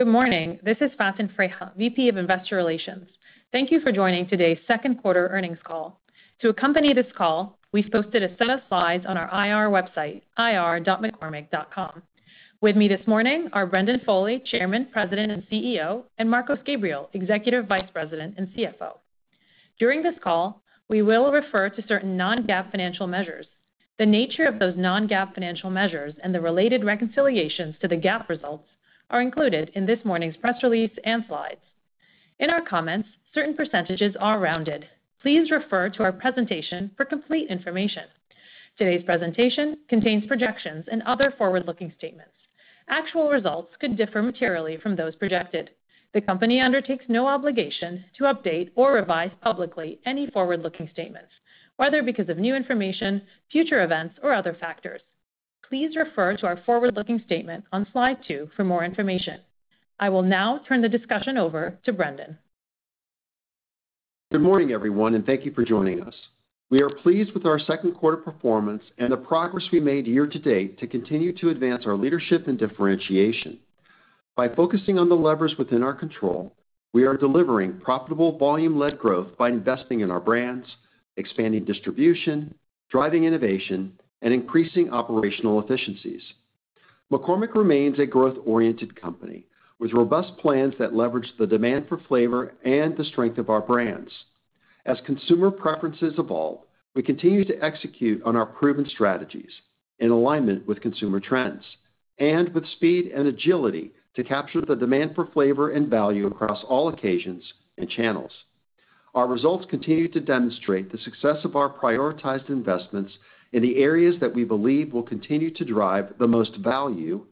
Good morning. This is Faten Freiha, VP of Investor Relations. Thank you for joining today's second quarter earnings call. To accompany this call, we've posted a set of slides on our IR website, ir.mccormick.com. With me this morning are Brendan Foley, Chairman, President, and CEO, and Marcos Gabriel, Executive Vice President and CFO. During this call, we will refer to certain non-GAAP financial measures. The nature of those non-GAAP financial measures and the related reconciliations to the GAAP results are included in this morning's press release and slides. In our comments, certain percentages are rounded. Please refer to our presentation for complete information. Today's presentation contains projections and other forward-looking statements. Actual results could differ materially from those projected. The company undertakes no obligation to update or revise publicly any forward-looking statements, whether because of new information, future events, or other factors. Please refer to our forward-looking statement on slide two for more information. I will now turn the discussion over to Brendan. Good morning, everyone, and thank you for joining us. We are pleased with our second quarter performance and the progress we made year to date to continue to advance our leadership and differentiation. By focusing on the levers within our control, we are delivering profitable volume-led growth by investing in our brands, expanding distribution, driving innovation, and increasing operational efficiencies. McCormick remains a growth-oriented company with robust plans that leverage the demand for flavor and the strength of our brands. As consumer preferences evolve, we continue to execute on our proven strategies in alignment with consumer trends and with speed and agility to capture the demand for flavor and value across all occasions and channels. Our results continue to demonstrate the success of our prioritized investments in the areas that we believe will continue to drive the most value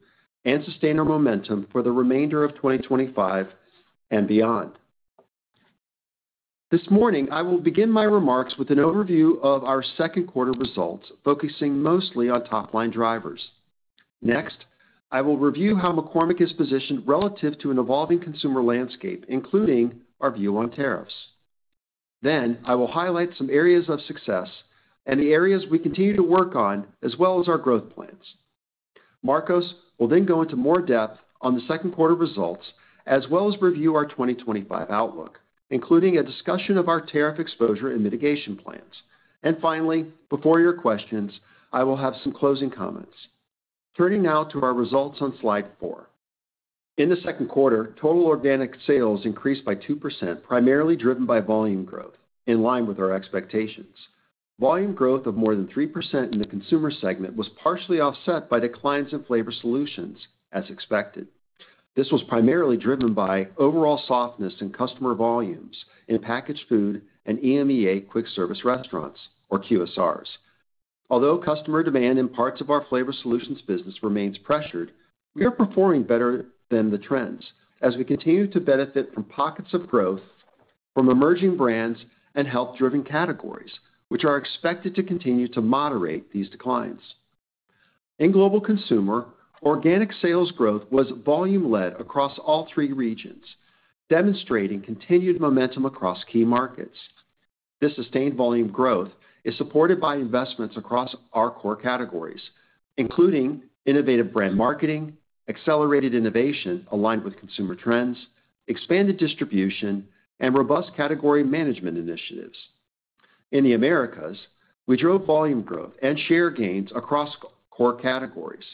and sustain our momentum for the remainder of 2025 and beyond. This morning, I will begin my remarks with an overview of our second quarter results, focusing mostly on top-line drivers. Next, I will review how McCormick is positioned relative to an evolving consumer landscape, including our view on tariffs. I will highlight some areas of success and the areas we continue to work on, as well as our growth plans. Marcos will then go into more depth on the second quarter results, as well as review our 2025 outlook, including a discussion of our tariff exposure and mitigation plans. Finally, before your questions, I will have some closing comments. Turning now to our results on slide four. In the second quarter, total organic sales increased by 2%, primarily driven by volume growth, in line with our expectations. Volume growth of more than 3% in the consumer segment was partially offset by declines in flavor solutions, as expected. This was primarily driven by overall softness in customer volumes in packaged food and EMEA quick-service restaurants, or QSRs. Although customer demand in parts of our flavor solutions business remains pressured, we are performing better than the trends as we continue to benefit from pockets of growth from emerging brands and health-driven categories, which are expected to continue to moderate these declines. In global consumer, organic sales growth was volume-led across all three regions, demonstrating continued momentum across key markets. This sustained volume growth is supported by investments across our core categories, including innovative brand marketing, accelerated innovation aligned with consumer trends, expanded distribution, and robust category management initiatives. In the Americas, we drove volume growth and share gains across core categories.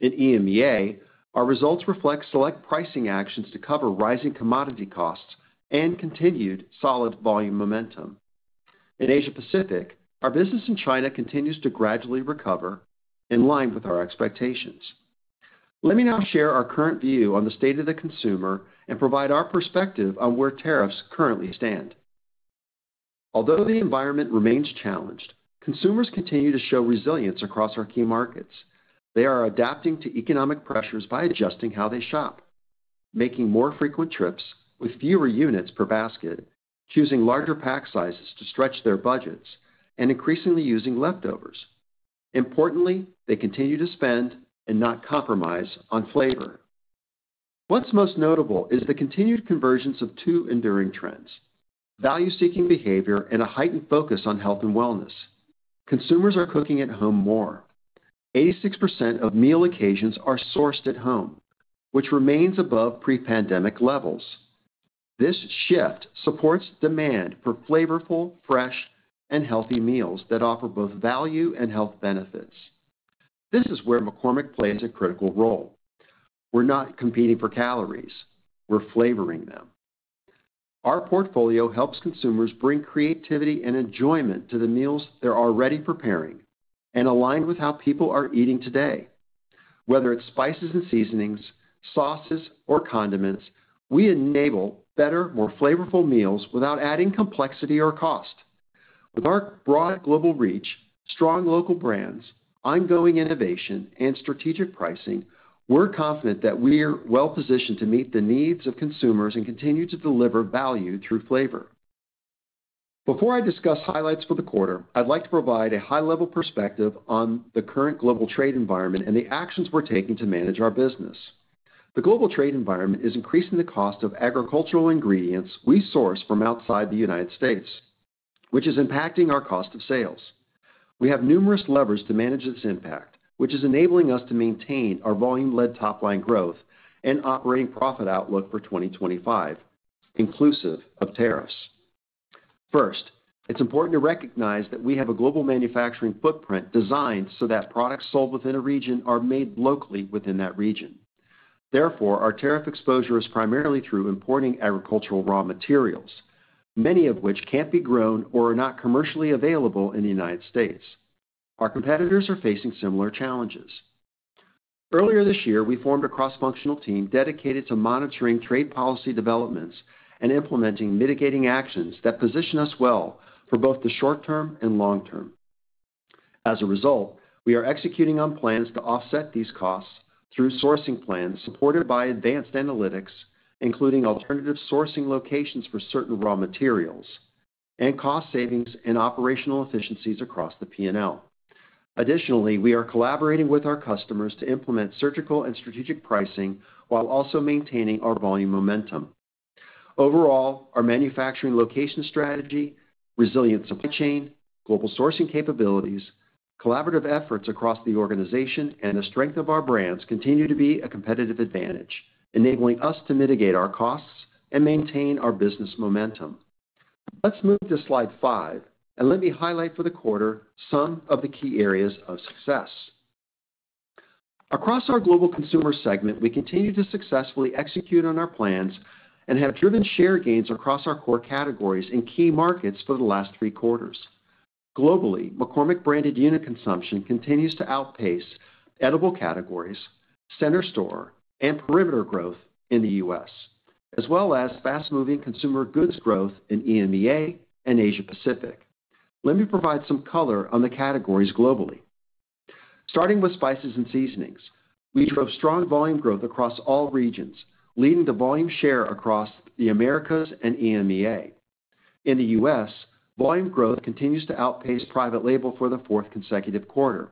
In EMEA, our results reflect select pricing actions to cover rising commodity costs and continued solid volume momentum. In Asia Pacific, our business in China continues to gradually recover, in line with our expectations. Let me now share our current view on the state of the consumer and provide our perspective on where tariffs currently stand. Although the environment remains challenged, consumers continue to show resilience across our key markets. They are adapting to economic pressures by adjusting how they shop, making more frequent trips with fewer units per basket, choosing larger pack sizes to stretch their budgets, and increasingly using leftovers. Importantly, they continue to spend and not compromise on flavor. What's most notable is the continued convergence of two enduring trends: value-seeking behavior and a heightened focus on health and wellness. Consumers are cooking at home more. 86% of meal occasions are sourced at home, which remains above pre-pandemic levels. This shift supports demand for flavorful, fresh, and healthy meals that offer both value and health benefits. This is where McCormick plays a critical role. We're not competing for calories. We're flavoring them. Our portfolio helps consumers bring creativity and enjoyment to the meals they're already preparing and aligned with how people are eating today. Whether it's spices and seasonings, sauces, or condiments, we enable better, more flavorful meals without adding complexity or cost. With our broad global reach, strong local brands, ongoing innovation, and strategic pricing, we're confident that we are well-positioned to meet the needs of consumers and continue to deliver value through flavor. Before I discuss highlights for the quarter, I'd like to provide a high-level perspective on the current global trade environment and the actions we're taking to manage our business. The global trade environment is increasing the cost of agricultural ingredients we source from outside the United States, which is impacting our cost of sales. We have numerous levers to manage this impact, which is enabling us to maintain our volume-led top-line growth and operating profit outlook for 2025, inclusive of tariffs. First, it's important to recognize that we have a global manufacturing footprint designed so that products sold within a region are made locally within that region. Therefore, our tariff exposure is primarily through importing agricultural raw materials, many of which can't be grown or are not commercially available in the United States. Our competitors are facing similar challenges. Earlier this year, we formed a cross-functional team dedicated to monitoring trade policy developments and implementing mitigating actions that position us well for both the short term and long term. As a result, we are executing on plans to offset these costs through sourcing plans supported by advanced analytics, including alternative sourcing locations for certain raw materials, and cost savings and operational efficiencies across the P&L. Additionally, we are collaborating with our customers to implement surgical and strategic pricing while also maintaining our volume momentum. Overall, our manufacturing location strategy, resilient supply chain, global sourcing capabilities, collaborative efforts across the organization, and the strength of our brands continue to be a competitive advantage, enabling us to mitigate our costs and maintain our business momentum. Let's move to slide five, and let me highlight for the quarter some of the key areas of success. Across our global consumer segment, we continue to successfully execute on our plans and have driven share gains across our core categories in key markets for the last three quarters. Globally, McCormick branded unit consumption continues to outpace edible categories, center store, and perimeter growth in the U.S., as well as fast-moving consumer goods growth in EMEA and Asia Pacific. Let me provide some color on the categories globally. Starting with spices and seasonings, we drove strong volume growth across all regions, leading to volume share across the Americas and EMEA. In the U.S., volume growth continues to outpace private label for the fourth consecutive quarter.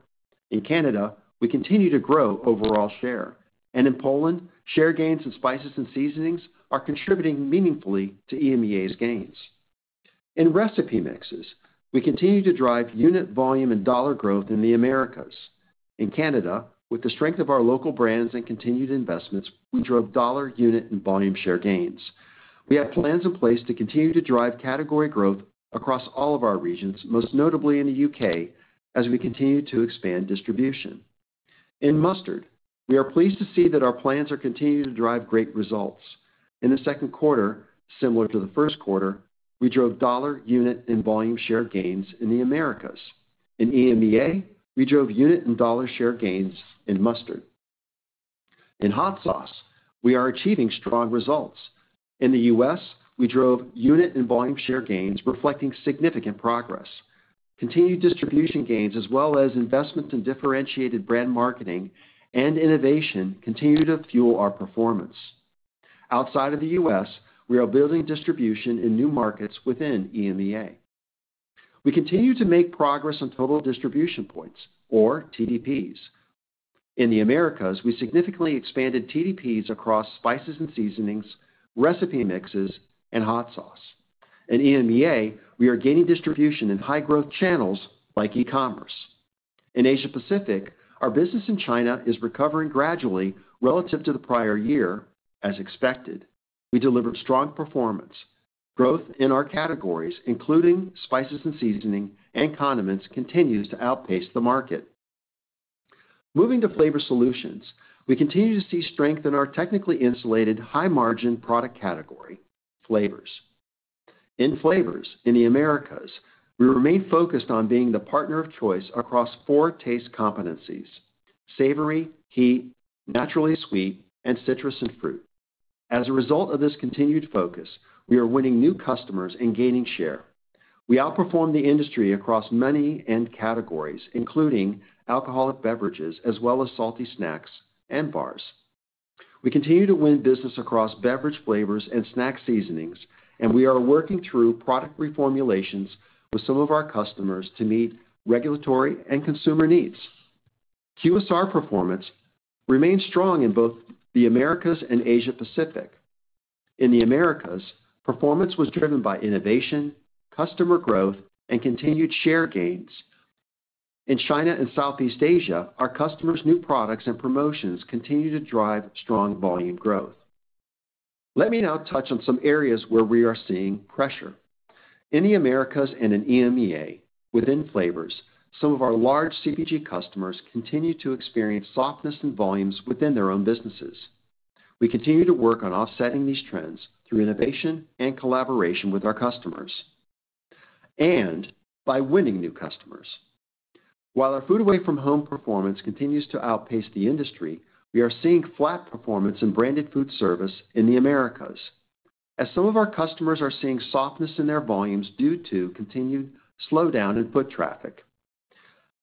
In Canada, we continue to grow overall share, and in Poland, share gains in spices and seasonings are contributing meaningfully to EMEA's gains. In recipe mixes, we continue to drive unit, volume, and dollar growth in the Americas. In Canada, with the strength of our local brands and continued investments, we drove dollar, unit, and volume share gains. We have plans in place to continue to drive category growth across all of our regions, most notably in the U.K., as we continue to expand distribution. In mustard, we are pleased to see that our plans are continuing to drive great results. In the second quarter, similar to the first quarter, we drove dollar, unit, and volume share gains in the Americas. In EMEA, we drove unit and dollar share gains in mustard. In hot sauce, we are achieving strong results. In the U.S., we drove unit and volume share gains, reflecting significant progress. Continued distribution gains, as well as investment in differentiated brand marketing and innovation, continue to fuel our performance. Outside of the U.S., we are building distribution in new markets within EMEA. We continue to make progress on total distribution points, or TDPs. In the Americas, we significantly expanded TDPs across spices and seasonings, recipe mixes, and hot sauce. In EMEA, we are gaining distribution in high-growth channels like e-commerce. In Asia Pacific, our business in China is recovering gradually relative to the prior year, as expected. We delivered strong performance. Growth in our categories, including spices and seasoning and condiments, continues to outpace the market. Moving to flavor solutions, we continue to see strength in our technically insulated, high-margin product category, flavors. In flavors in the Americas, we remain focused on being the partner of choice across four taste competencies: savory, heat, naturally sweet, and citrus and fruit. As a result of this continued focus, we are winning new customers and gaining share. We outperform the industry across many end categories, including alcoholic beverages, as well as salty snacks and bars. We continue to win business across beverage flavors and snack seasonings, and we are working through product reformulations with some of our customers to meet regulatory and consumer needs. QSR performance remains strong in both the Americas and Asia Pacific. In the Americas, performance was driven by innovation, customer growth, and continued share gains. In China and Southeast Asia, our customers' new products and promotions continue to drive strong volume growth. Let me now touch on some areas where we are seeing pressure. In the Americas and in EMEA, within flavors, some of our large CPG customers continue to experience softness in volumes within their own businesses. We continue to work on offsetting these trends through innovation and collaboration with our customers and by winning new customers. While our food away from home performance continues to outpace the industry, we are seeing flat performance in branded food service in the Americas, as some of our customers are seeing softness in their volumes due to continued slowdown in foot traffic.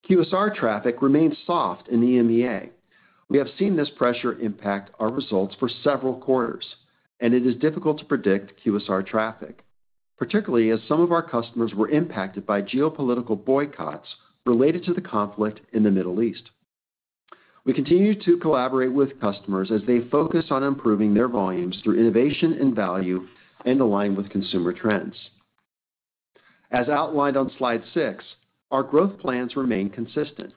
QSR traffic remains soft in EMEA. We have seen this pressure impact our results for several quarters, and it is difficult to predict QSR traffic, particularly as some of our customers were impacted by geopolitical boycotts related to the conflict in the Middle East. We continue to collaborate with customers as they focus on improving their volumes through innovation and value and align with consumer trends. As outlined on slide six, our growth plans remain consistent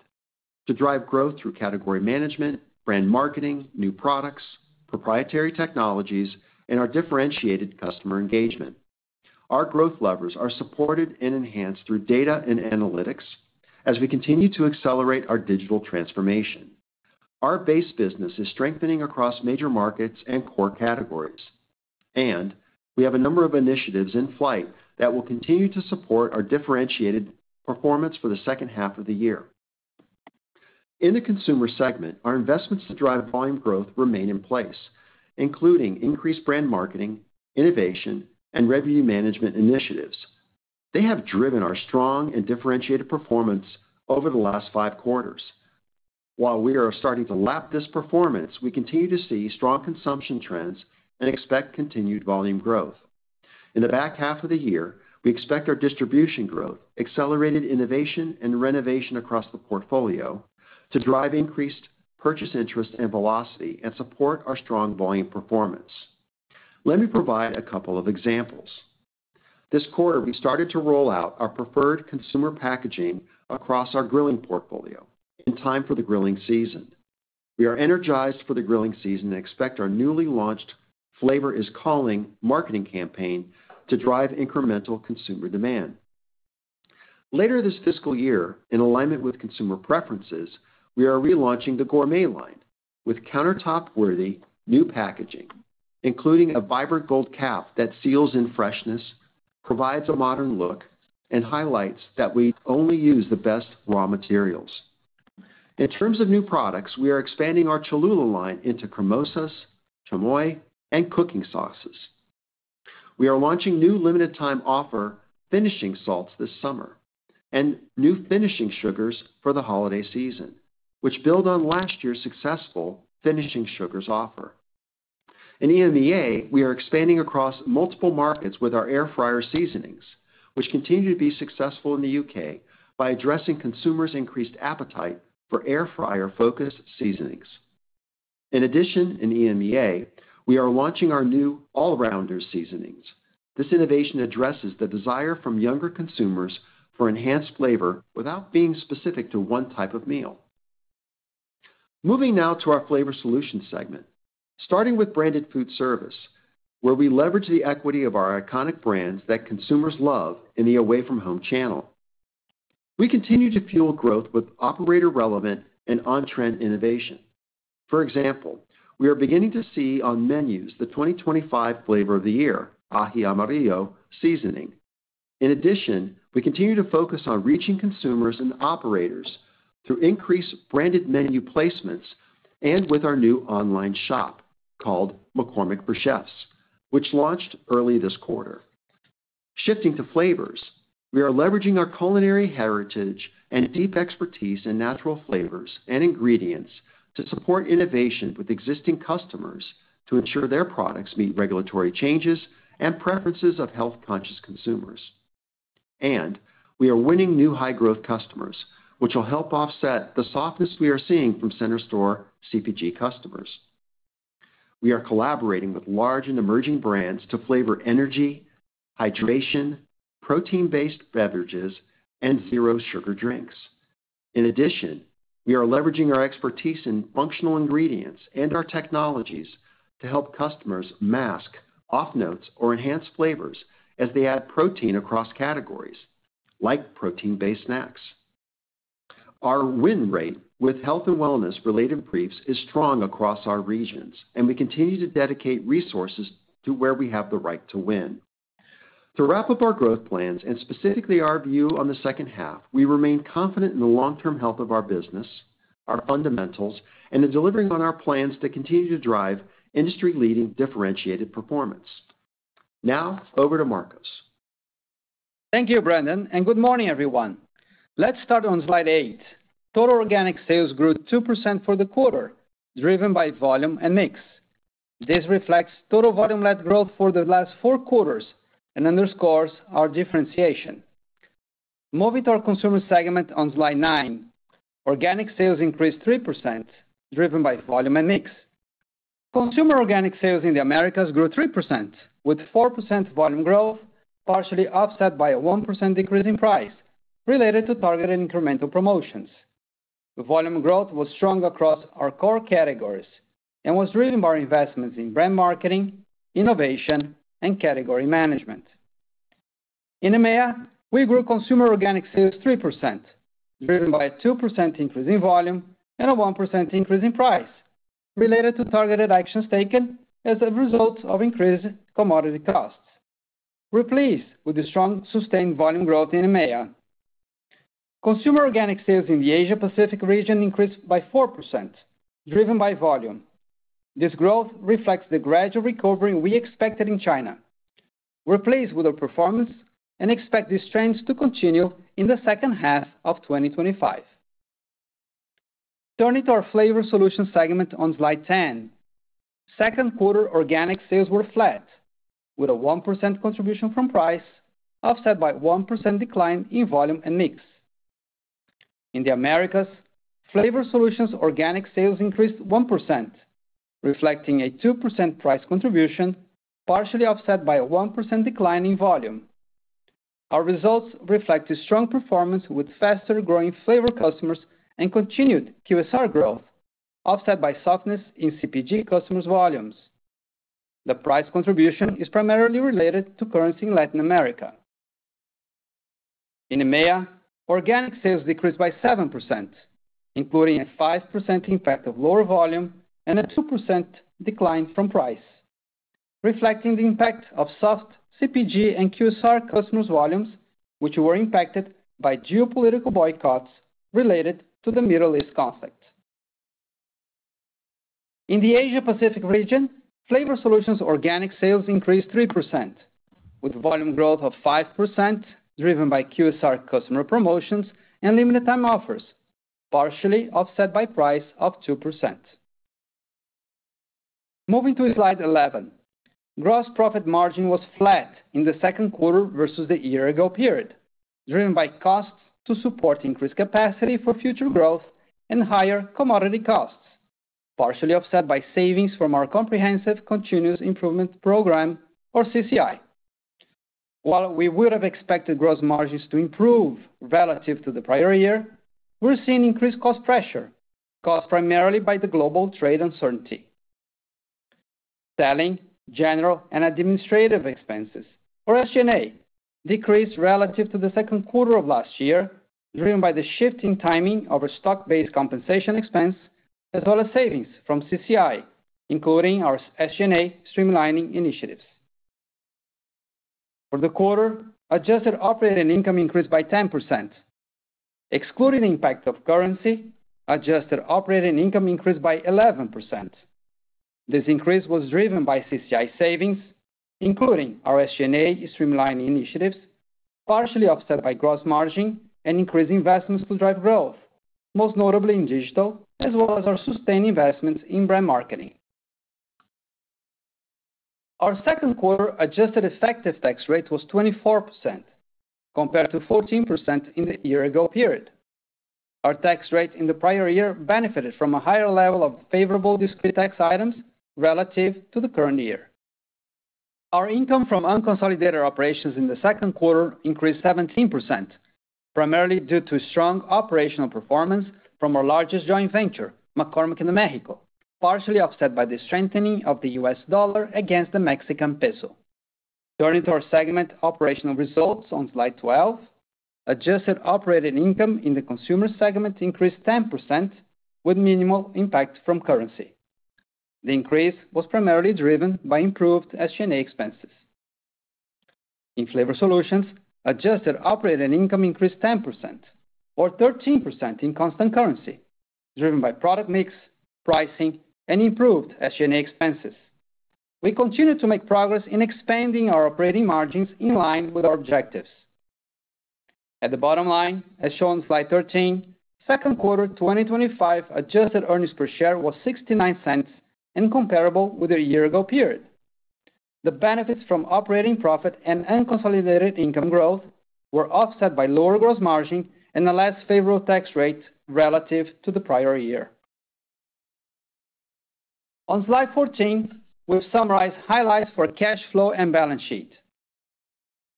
to drive growth through category management, brand marketing, new products, proprietary technologies, and our differentiated customer engagement. Our growth levers are supported and enhanced through data and analytics as we continue to accelerate our digital transformation. Our base business is strengthening across major markets and core categories, and we have a number of initiatives in flight that will continue to support our differentiated performance for the second half of the year. In the consumer segment, our investments to drive volume growth remain in place, including increased brand marketing, innovation, and revenue management initiatives. They have driven our strong and differentiated performance over the last five quarters. While we are starting to lap this performance, we continue to see strong consumption trends and expect continued volume growth. In the back half of the year, we expect our distribution growth, accelerated innovation, and renovation across the portfolio to drive increased purchase interest and velocity and support our strong volume performance. Let me provide a couple of examples. This quarter, we started to roll out our preferred consumer packaging across our grilling portfolio in time for the grilling season. We are energized for the grilling season and expect our newly launched Flavor Is Calling marketing campaign to drive incremental consumer demand. Later this fiscal year, in alignment with consumer preferences, we are relaunching the Gourmet line with countertop-worthy new packaging, including a vibrant gold cap that seals in freshness, provides a modern look, and highlights that we only use the best raw materials. In terms of new products, we are expanding our Cholula line into Cremosas, Chamoys, and cooking sauces. We are launching new limited-time offer finishing salts this summer and new finishing sugars for the holiday season, which build on last year's successful finishing sugars offer. In EMEA, we are expanding across multiple markets with our air fryer seasonings, which continue to be successful in the U.K. by addressing consumers' increased appetite for air fryer-focused seasonings. In addition, in EMEA, we are launching our new all-rounder seasonings. This innovation addresses the desire from younger consumers for enhanced flavor without being specific to one type of meal. Moving now to our flavor solution segment, starting with branded food service, where we leverage the equity of our iconic brands that consumers love in the away from home channel. We continue to fuel growth with operator-relevant and on-trend innovation. For example, we are beginning to see on menus the 2025 flavor of the year, Aji Amarillo seasoning. In addition, we continue to focus on reaching consumers and operators through increased branded menu placements and with our new online shop called McCormick For Chefs, which launched early this quarter. Shifting to flavors, we are leveraging our culinary heritage and deep expertise in natural flavors and ingredients to support innovation with existing customers to ensure their products meet regulatory changes and preferences of health-conscious consumers. We are winning new high-growth customers, which will help offset the softness we are seeing from center store CPG customers. We are collaborating with large and emerging brands to flavor energy, hydration, protein-based beverages, and zero-sugar drinks. In addition, we are leveraging our expertise in functional ingredients and our technologies to help customers mask off-notes or enhance flavors as they add protein across categories like protein-based snacks. Our win rate with health and wellness-related briefs is strong across our regions, and we continue to dedicate resources to where we have the right to win. To wrap up our growth plans and specifically our view on the second half, we remain confident in the long-term health of our business, our fundamentals, and in delivering on our plans to continue to drive industry-leading differentiated performance. Now, over to Marcos. Thank you, Brendan, and good morning, everyone. Let's start on slide eight. Total organic sales grew 2% for the quarter, driven by volume and mix. This reflects total volume-led growth for the last four quarters and underscores our differentiation. Moving to our consumer segment on slide nine, organic sales increased 3%, driven by volume and mix. Consumer organic sales in the Americas grew 3%, with 4% volume growth, partially offset by a 1% decrease in price related to targeted incremental promotions. Volume growth was strong across our core categories and was driven by investments in brand marketing, innovation, and category management. In EMEA, we grew consumer organic sales 3%, driven by a 2% increase in volume and a 1% increase in price related to targeted actions taken as a result of increased commodity costs. We're pleased with the strong sustained volume growth in EMEA. Consumer organic sales in the Asia Pacific region increased by 4%, driven by volume. This growth reflects the gradual recovery we expected in China. We're pleased with our performance and expect these trends to continue in the second half of 2025. Turning to our flavor solution segment on slide ten, second quarter organic sales were flat, with a 1% contribution from price, offset by a 1% decline in volume and mix. In the Americas, flavor solutions' organic sales increased 1%, reflecting a 2% price contribution, partially offset by a 1% decline in volume. Our results reflect a strong performance with faster-growing flavor customers and continued QSR growth, offset by softness in CPG customers' volumes. The price contribution is primarily related to currency in Latin America. In EMEA, organic sales decreased by 7%, including a 5% impact of lower volume and a 2% decline from price, reflecting the impact of soft CPG and QSR customers' volumes, which were impacted by geopolitical boycotts related to the Middle East conflict. In the Asia Pacific region, flavor solutions' organic sales increased 3%, with volume growth of 5%, driven by QSR customer promotions and limited-time offers, partially offset by price of 2%. Moving to slide eleven, gross profit margin was flat in the second quarter versus the year-ago period, driven by costs to support increased capacity for future growth and higher commodity costs, partially offset by savings from our comprehensive continuous improvement program, or CCI. While we would have expected gross margins to improve relative to the prior year, we're seeing increased cost pressure, caused primarily by the global trade uncertainty. Selling, general, and administrative expenses, or SG&A, decreased relative to the second quarter of last year, driven by the shift in timing of our stock-based compensation expense, as well as savings from CCI, including our SG&A streamlining initiatives. For the quarter, adjusted operating income increased by 10%. Excluding the impact of currency, adjusted operating income increased by 11%. This increase was driven by CCI savings, including our SG&A streamlining initiatives, partially offset by gross margin and increased investments to drive growth, most notably in digital, as well as our sustained investments in brand marketing. Oursecond quarter adjusted effective tax rate was 24%, compared to 14% in the year-ago period. Our tax rate in the prior year benefited from a higher level of favorable discrete tax items relative to the current year. Our income from unconsolidated operations in the second quarter increased 17%, primarily due to strong operational performance from our largest joint venture, McCormick de Mexico, partially offset by the strengthening of the U.S. dollar against the Mexican peso. Turning to our segment operational results on slide twelve, adjusted operating income in the consumer segment increased 10%, with minimal impact from currency. The increase was primarily driven by improved SG&A expenses. In flavor solutions, adjusted operating income increased 10%, or 13% in constant currency, driven by product mix, pricing, and improved SG&A expenses. We continue to make progress in expanding our operating margins in line with our objectives. At the bottom line, as shown on slide thirteen, second quarter 2025 adjusted earnings per share was $0.69 and comparable with the year-ago period. The benefits from operating profit and unconsolidated income growth were offset by lower gross margin and the less favorable tax rate relative to the prior year. On slide fourteen, we've summarized highlights for cash flow and balance sheet.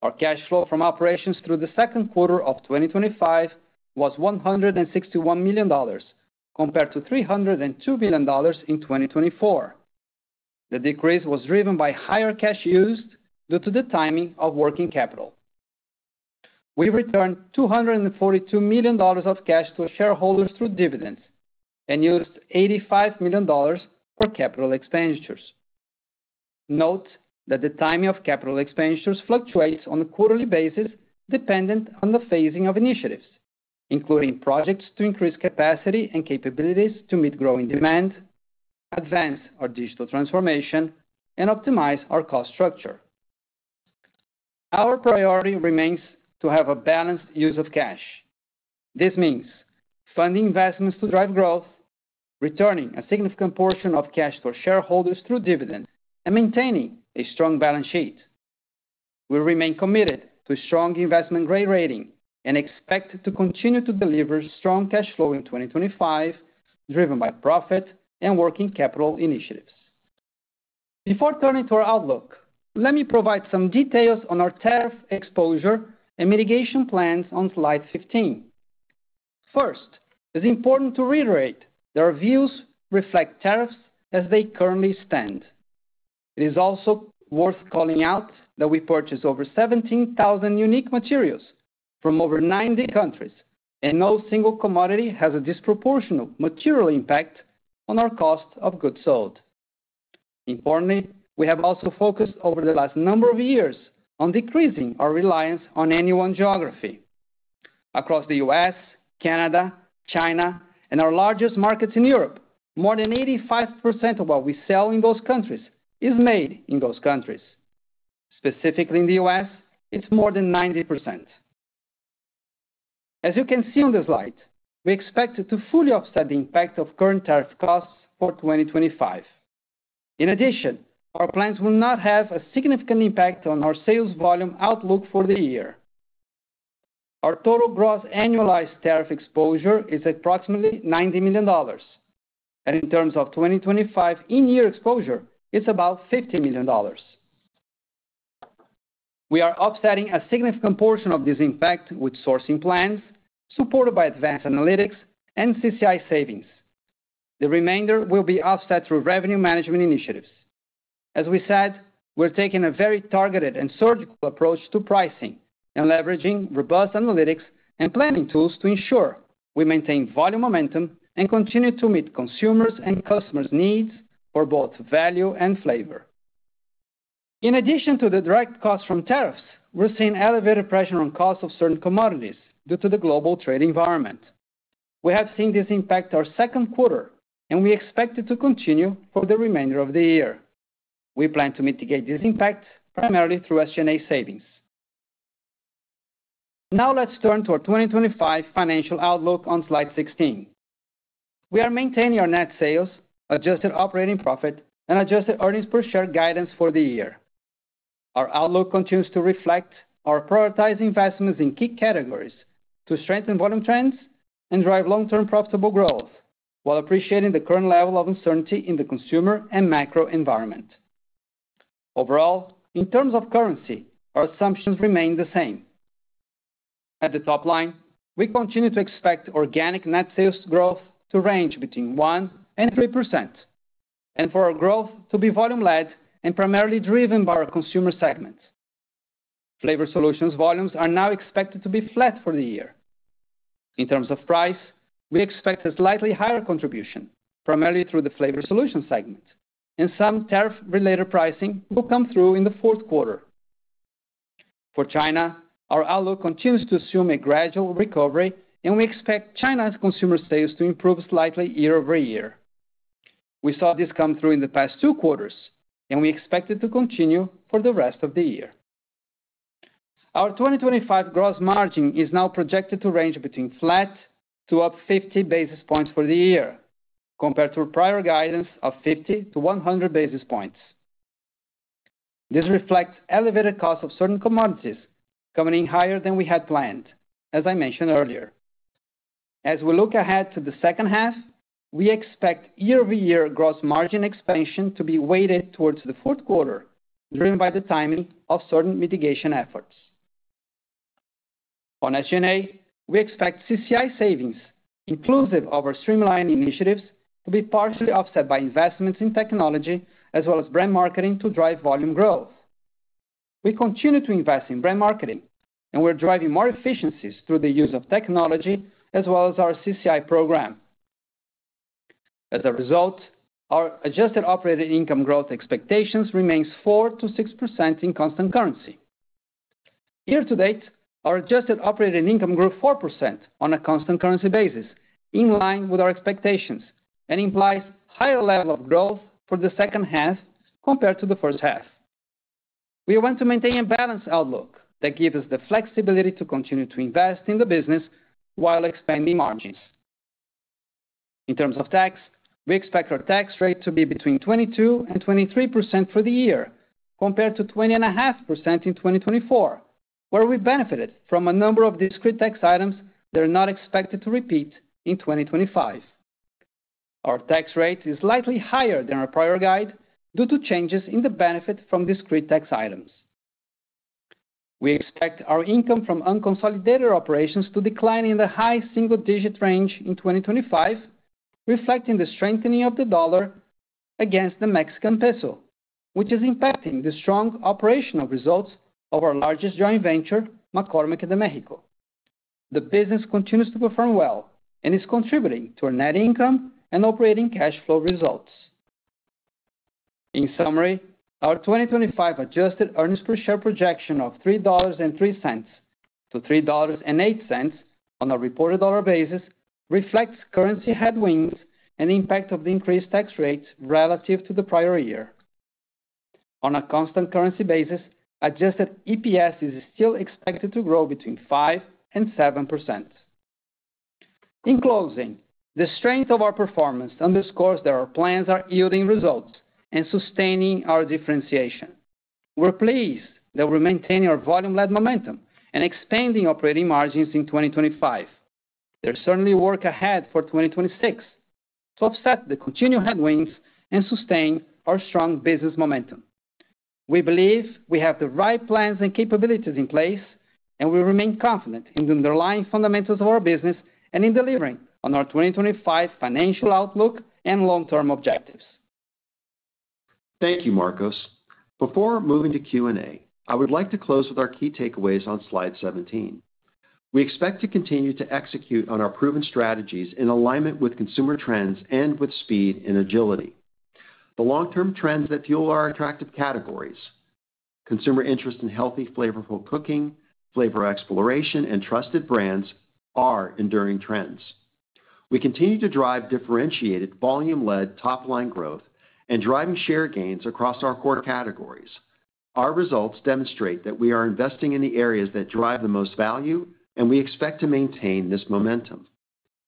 Our cash flow from operations through the second quarter of 2025 was $161 million, compared to $302 million in 2024. The decrease was driven by higher cash used due to the timing of working capital. We returned $242 million of cash to shareholders through dividends and used $85 million for capital expenditures. Note that the timing of capital expenditures fluctuates on a quarterly basis dependent on the phasing of initiatives, including projects to increase capacity and capabilities to meet growing demand, advance our digital transformation, and optimize our cost structure. Our priority remains to have a balanced use of cash. This means funding investments to drive growth, returning a significant portion of cash to shareholders through dividends, and maintaining a strong balance sheet. We remain committed to strong investment-grade rating and expect to continue to deliver strong cash flow in 2025, driven by profit and working capital initiatives. Before turning to our outlook, let me provide some details on our tariff exposure and mitigation plans on slide fifteen. First, it's important to reiterate that our views reflect tariffs as they currently stand. It is also worth calling out that we purchased over 17,000 unique materials from over 90 countries, and no single commodity has a disproportional material impact on our cost of goods sold. Importantly, we have also focused over the last number of years on decreasing our reliance on any one geography. Across the U.S., Canada, China, and our largest markets in Europe, more than 85% of what we sell in those countries is made in those countries. Specifically in the U.S., it's more than 90%. As you can see on the slide, we expect to fully offset the impact of current tariff costs for 2025. In addition, our plans will not have a significant impact on our sales volume outlook for the year. Our total gross annualized tariff exposure is approximately $90 million, and in terms of 2025 in-year exposure, it's about $50 million. We are offsetting a significant portion of this impact with sourcing plans supported by advanced analytics and CCI savings. The remainder will be offset through revenue management initiatives. As we said, we're taking a very targeted and surgical approach to pricing and leveraging robust analytics and planning tools to ensure we maintain volume momentum and continue to meet consumers' and customers' needs for both value and flavor. In addition to the direct costs from tariffs, we're seeing elevated pressure on costs of certain commodities due to the global trade environment. We have seen this impact our second quarter, and we expect it to continue for the remainder of the year. We plan to mitigate this impact primarily through SG&A savings. Now, let's turn to our 2025 financial outlook on slide sixteen. We are maintaining our net sales, adjusted operating profit, and adjusted earnings per share guidance for the year. Our outlook continues to reflect our prioritized investments in key categories to strengthen volume trends and drive long-term profitable growth, while appreciating the current level of uncertainty in the consumer and macro environment. Overall, in terms of currency, our assumptions remain the same. At the top line, we continue to expect organic net sales growth to range between 1%-3%, and for our growth to be volume-led and primarily driven by our consumer segment. Flavor solutions volumes are now expected to be flat for the year. In terms of price, we expect a slightly higher contribution, primarily through the flavor solutions segment, and some tariff-related pricing will come through in the fourth quarter. For China, our outlook continues to assume a gradual recovery, and we expect China's consumer sales to improve slightly year-over-year. We saw this come through in the past two quarters, and we expect it to continue for the rest of the year. Our 2025 gross margin is now projected to range between flat to up 50 basis points for the year, compared to prior guidance of 50-100 basis points. This reflects elevated costs of certain commodities coming in higher than we had planned, as I mentioned earlier. As we look ahead to the second half, we expect year-over-year gross margin expansion to be weighted towards the fourth quarter, driven by the timing of certain mitigation efforts. On SG&A, we expect CCI savings, inclusive of our streamlining initiatives, to be partially offset by investments in technology as well as brand marketing to drive volume growth. We continue to invest in brand marketing, and we're driving more efficiencies through the use of technology as well as our CCI program. As a result, our adjusted operating income growth expectations remain 4%-6% in constant currency. Year-to-date, our adjusted operating income grew 4% on a constant currency basis, in line with our expectations, and implies a higher level of growth for the second half compared to the first half. We want to maintain a balanced outlook that gives us the flexibility to continue to invest in the business while expanding margins. In terms of tax, we expect our tax rate to be between 22%-23% for the year, compared to 20.5% in 2024, where we benefited from a number of discrete tax items that are not expected to repeat in 2025. Our tax rate is slightly higher than our prior guide due to changes in the benefit from discrete tax items. We expect our income from unconsolidated operations to decline in the high single-digit range in 2025, reflecting the strengthening of the dollar against the Mexican peso, which is impacting the strong operational results of our largest joint venture, McCormick de Mexico. The business continues to perform well and is contributing to our net income and operating cash flow results. In summary, our 2025 adjusted earnings per share projection of $3.03-$3.08 on a reported dollar basis reflects currency headwinds and the impact of the increased tax rates relative to the prior year. On a constant currency basis, adjusted EPS is still expected to grow between 5% and 7%. In closing, the strength of our performance underscores that our plans are yielding results and sustaining our differentiation. We're pleased that we're maintaining our volume-led momentum and expanding operating margins in 2025. There's certainly work ahead for 2026 to offset the continued headwinds and sustain our strong business momentum. We believe we have the right plans and capabilities in place, and we remain confident in the underlying fundamentals of our business and in delivering on our 2025 financial outlook and long-term objectives. Thank you, Marcos. Before moving to Q&A, I would like to close with our key takeaways on slide seventeen. We expect to continue to execute on our proven strategies in alignment with consumer trends and with speed and agility. The long-term trends that fuel our attractive categories—consumer interest in healthy, flavorful cooking, flavor exploration, and trusted brands—are enduring trends. We continue to drive differentiated, volume-led, top-line growth and driving share gains across our core categories. Our results demonstrate that we are investing in the areas that drive the most value, and we expect to maintain this momentum.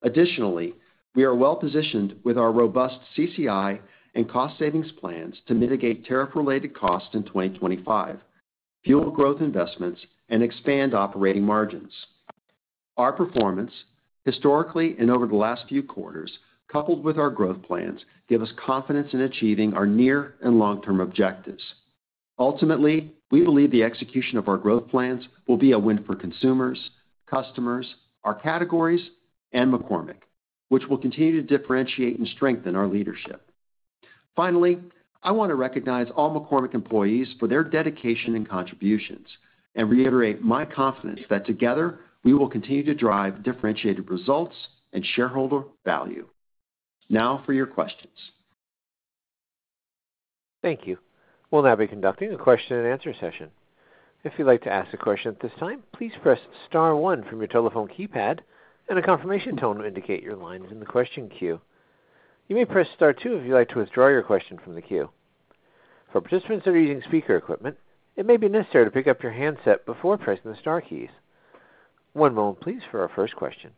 Additionally, we are well-positioned with our robust CCI and cost savings plans to mitigate tariff-related costs in 2025, fuel growth investments, and expand operating margins. Our performance, historically and over the last few quarters, coupled with our growth plans, gives us confidence in achieving our near and long-term objectives. Ultimately, we believe the execution of our growth plans will be a win for consumers, customers, our categories, and McCormick, which will continue to differentiate and strengthen our leadership. Finally, I want to recognize all McCormick employees for their dedication and contributions and reiterate my confidence that together we will continue to drive differentiated results and shareholder value. Now for your questions. Thank you. We'll now be conducting a question-and-answer session. If you'd like to ask a question at this time, please press Star 1 from your telephone keypad, and a confirmation tone will indicate your line is in the question queue. You may press Star 2 if you'd like to withdraw your question from the queue. For participants that are using speaker equipment, it may be necessary to pick up your handset before pressing the Star keys. One moment, please, for our first question.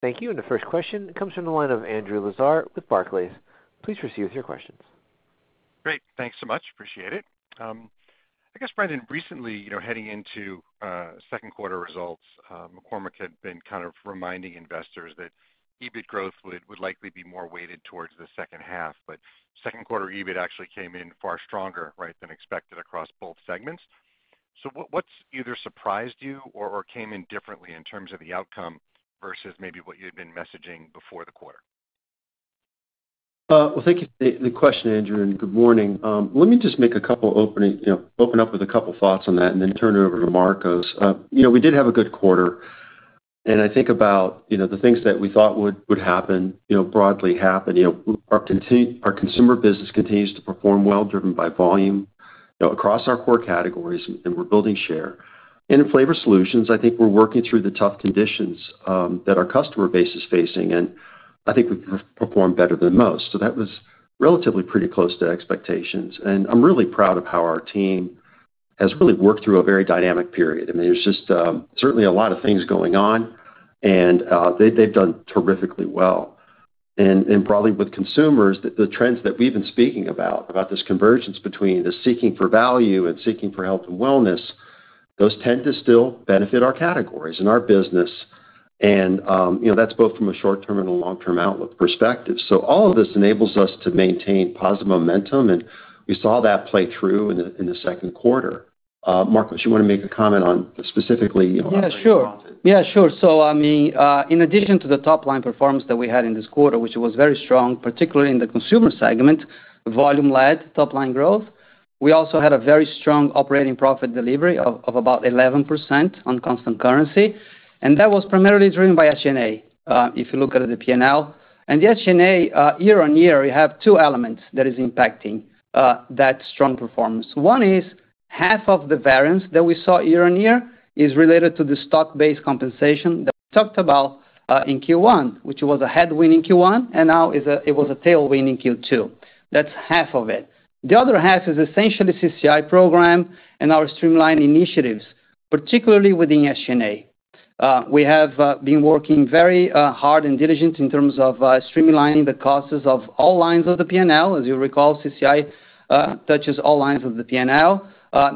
Thank you. The first question comes from the line of Andrew Lazar with Barclays. Please proceed with your questions. Great. Thanks so much. Appreciate it. I guess, Brendan, recently, you know, heading into second quarter results, McCormick had been kind of reminding investors that EBIT growth would likely be more weighted towards the second half. Second quarter EBIT actually came in far stronger, right, than expected across both segments. What has either surprised you or came in differently in terms of the outcome versus maybe what you had been messaging before the quarter? Thank you for the question, Andrew. Good morning. Let me just make a couple opening—you know, open up with a couple thoughts on that and then turn it over to Marcos. You know, we did have a good quarter, and I think about, you know, the things that we thought would happen, you know, broadly happen. You know, our consumer business continues to perform well, driven by volume, you know, across our core categories, and we are building share. In flavor solutions, I think we are working through the tough conditions that our customer base is facing, and I think we have performed better than most. That was relatively pretty close to expectations. I'm really proud of how our team has really worked through a very dynamic period. I mean, there's just certainly a lot of things going on, and they've done terrifically well. Probably with consumers, the trends that we've been speaking about, about this convergence between the seeking for value and seeking for health and wellness, those tend to still benefit our categories and our business. You know, that's both from a short-term and a long-term outlook perspective. All of this enables us to maintain positive momentum, and we saw that play through in the second quarter. Marcos, you want to make a comment on specifically? Yeah, sure. Yeah, sure. I mean, in addition to the top-line performance that we had in this quarter, which was very strong, particularly in the consumer segment, volume-led top-line growth, we also had a very strong operating profit delivery of about 11% on constant currency. That was primarily driven by SG&A, if you look at the P&L. The SG&A, year-on-year, we have two elements that are impacting that strong performance. One is half of the variance that we saw year on year is related to the stock-based compensation that we talked about in Q1, which was a headwind in Q1, and now it was a tailwind in Q2. That is half of it. The other half is essentially CCI program and our streamlined initiatives, particularly within SG&A. We have been working very hard and diligent in terms of streamlining the costs of all lines of the P&L. As you recall, CCI touches all lines of the P&L.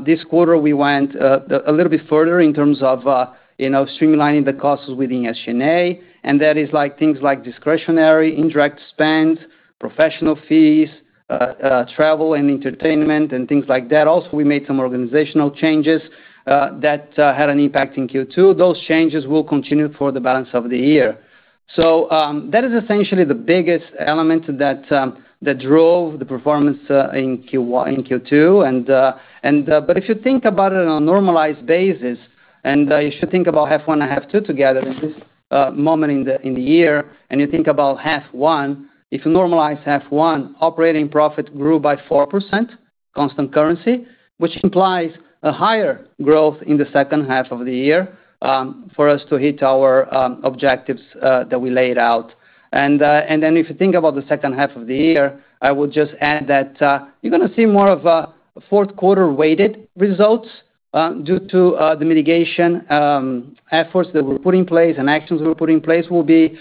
This quarter, we went a little bit further in terms of, you know, streamlining the costs within SG&A, and that is like things like discretionary, indirect spend, professional fees, travel and entertainment, and things like that. Also, we made some organizational changes that had an impact in Q2. Those changes will continue for the balance of the year. That is essentially the biggest element that drove the performance in Q2. If you think about it on a normalized basis, and you should think about half one and half two together in this moment in the year, and you think about half one, if you normalize half one, operating profit grew by 4%, constant currency, which implies a higher growth in the second half of the year for us to hit our objectives that we laid out. If you think about the second half of the year, I would just add that you're going to see more of a fourth quarter weighted results due to the mitigation efforts that were put in place and actions that were put in place. They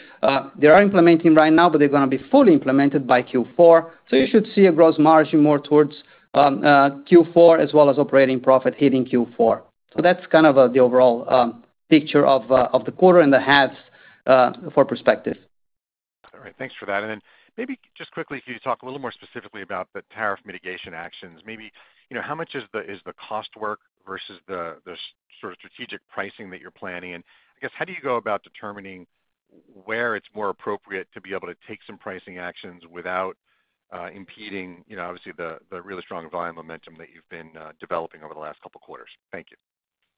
are implementing right now, but they're going to be fully implemented by Q4. You should see a gross margin more towards Q4 as well as operating profit hitting Q4. That's kind of the overall picture of the quarter and the halves for perspective. All right. Thanks for that. Maybe just quickly, could you talk a little more specifically about the tariff mitigation actions? Maybe, you know, how much is the cost work versus the sort of strategic pricing that you're planning? I guess, how do you go about determining where it's more appropriate to be able to take some pricing actions without impeding, you know, obviously the really strong volume momentum that you've been developing over the last couple quarters? Thank you.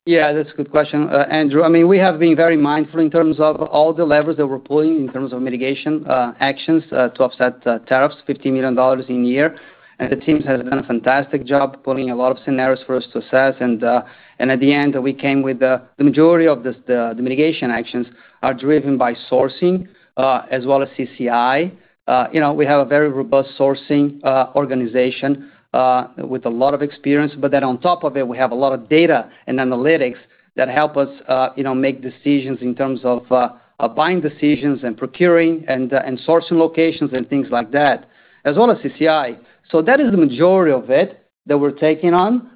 Yeah, that's a good question, Andrew. I mean, we have been very mindful in terms of all the levers that we're pulling in terms of mitigation actions to offset tariffs, $50 million in a year. The teams have done a fantastic job pulling a lot of scenarios for us to assess. At the end, we came with the majority of the mitigation actions are driven by sourcing as well as CCI. You know, we have a very robust sourcing organization with a lot of experience, but then on top of it, we have a lot of data and analytics that help us, you know, make decisions in terms of buying decisions and procuring and sourcing locations and things like that, as well as CCI. That is the majority of it that we're taking on.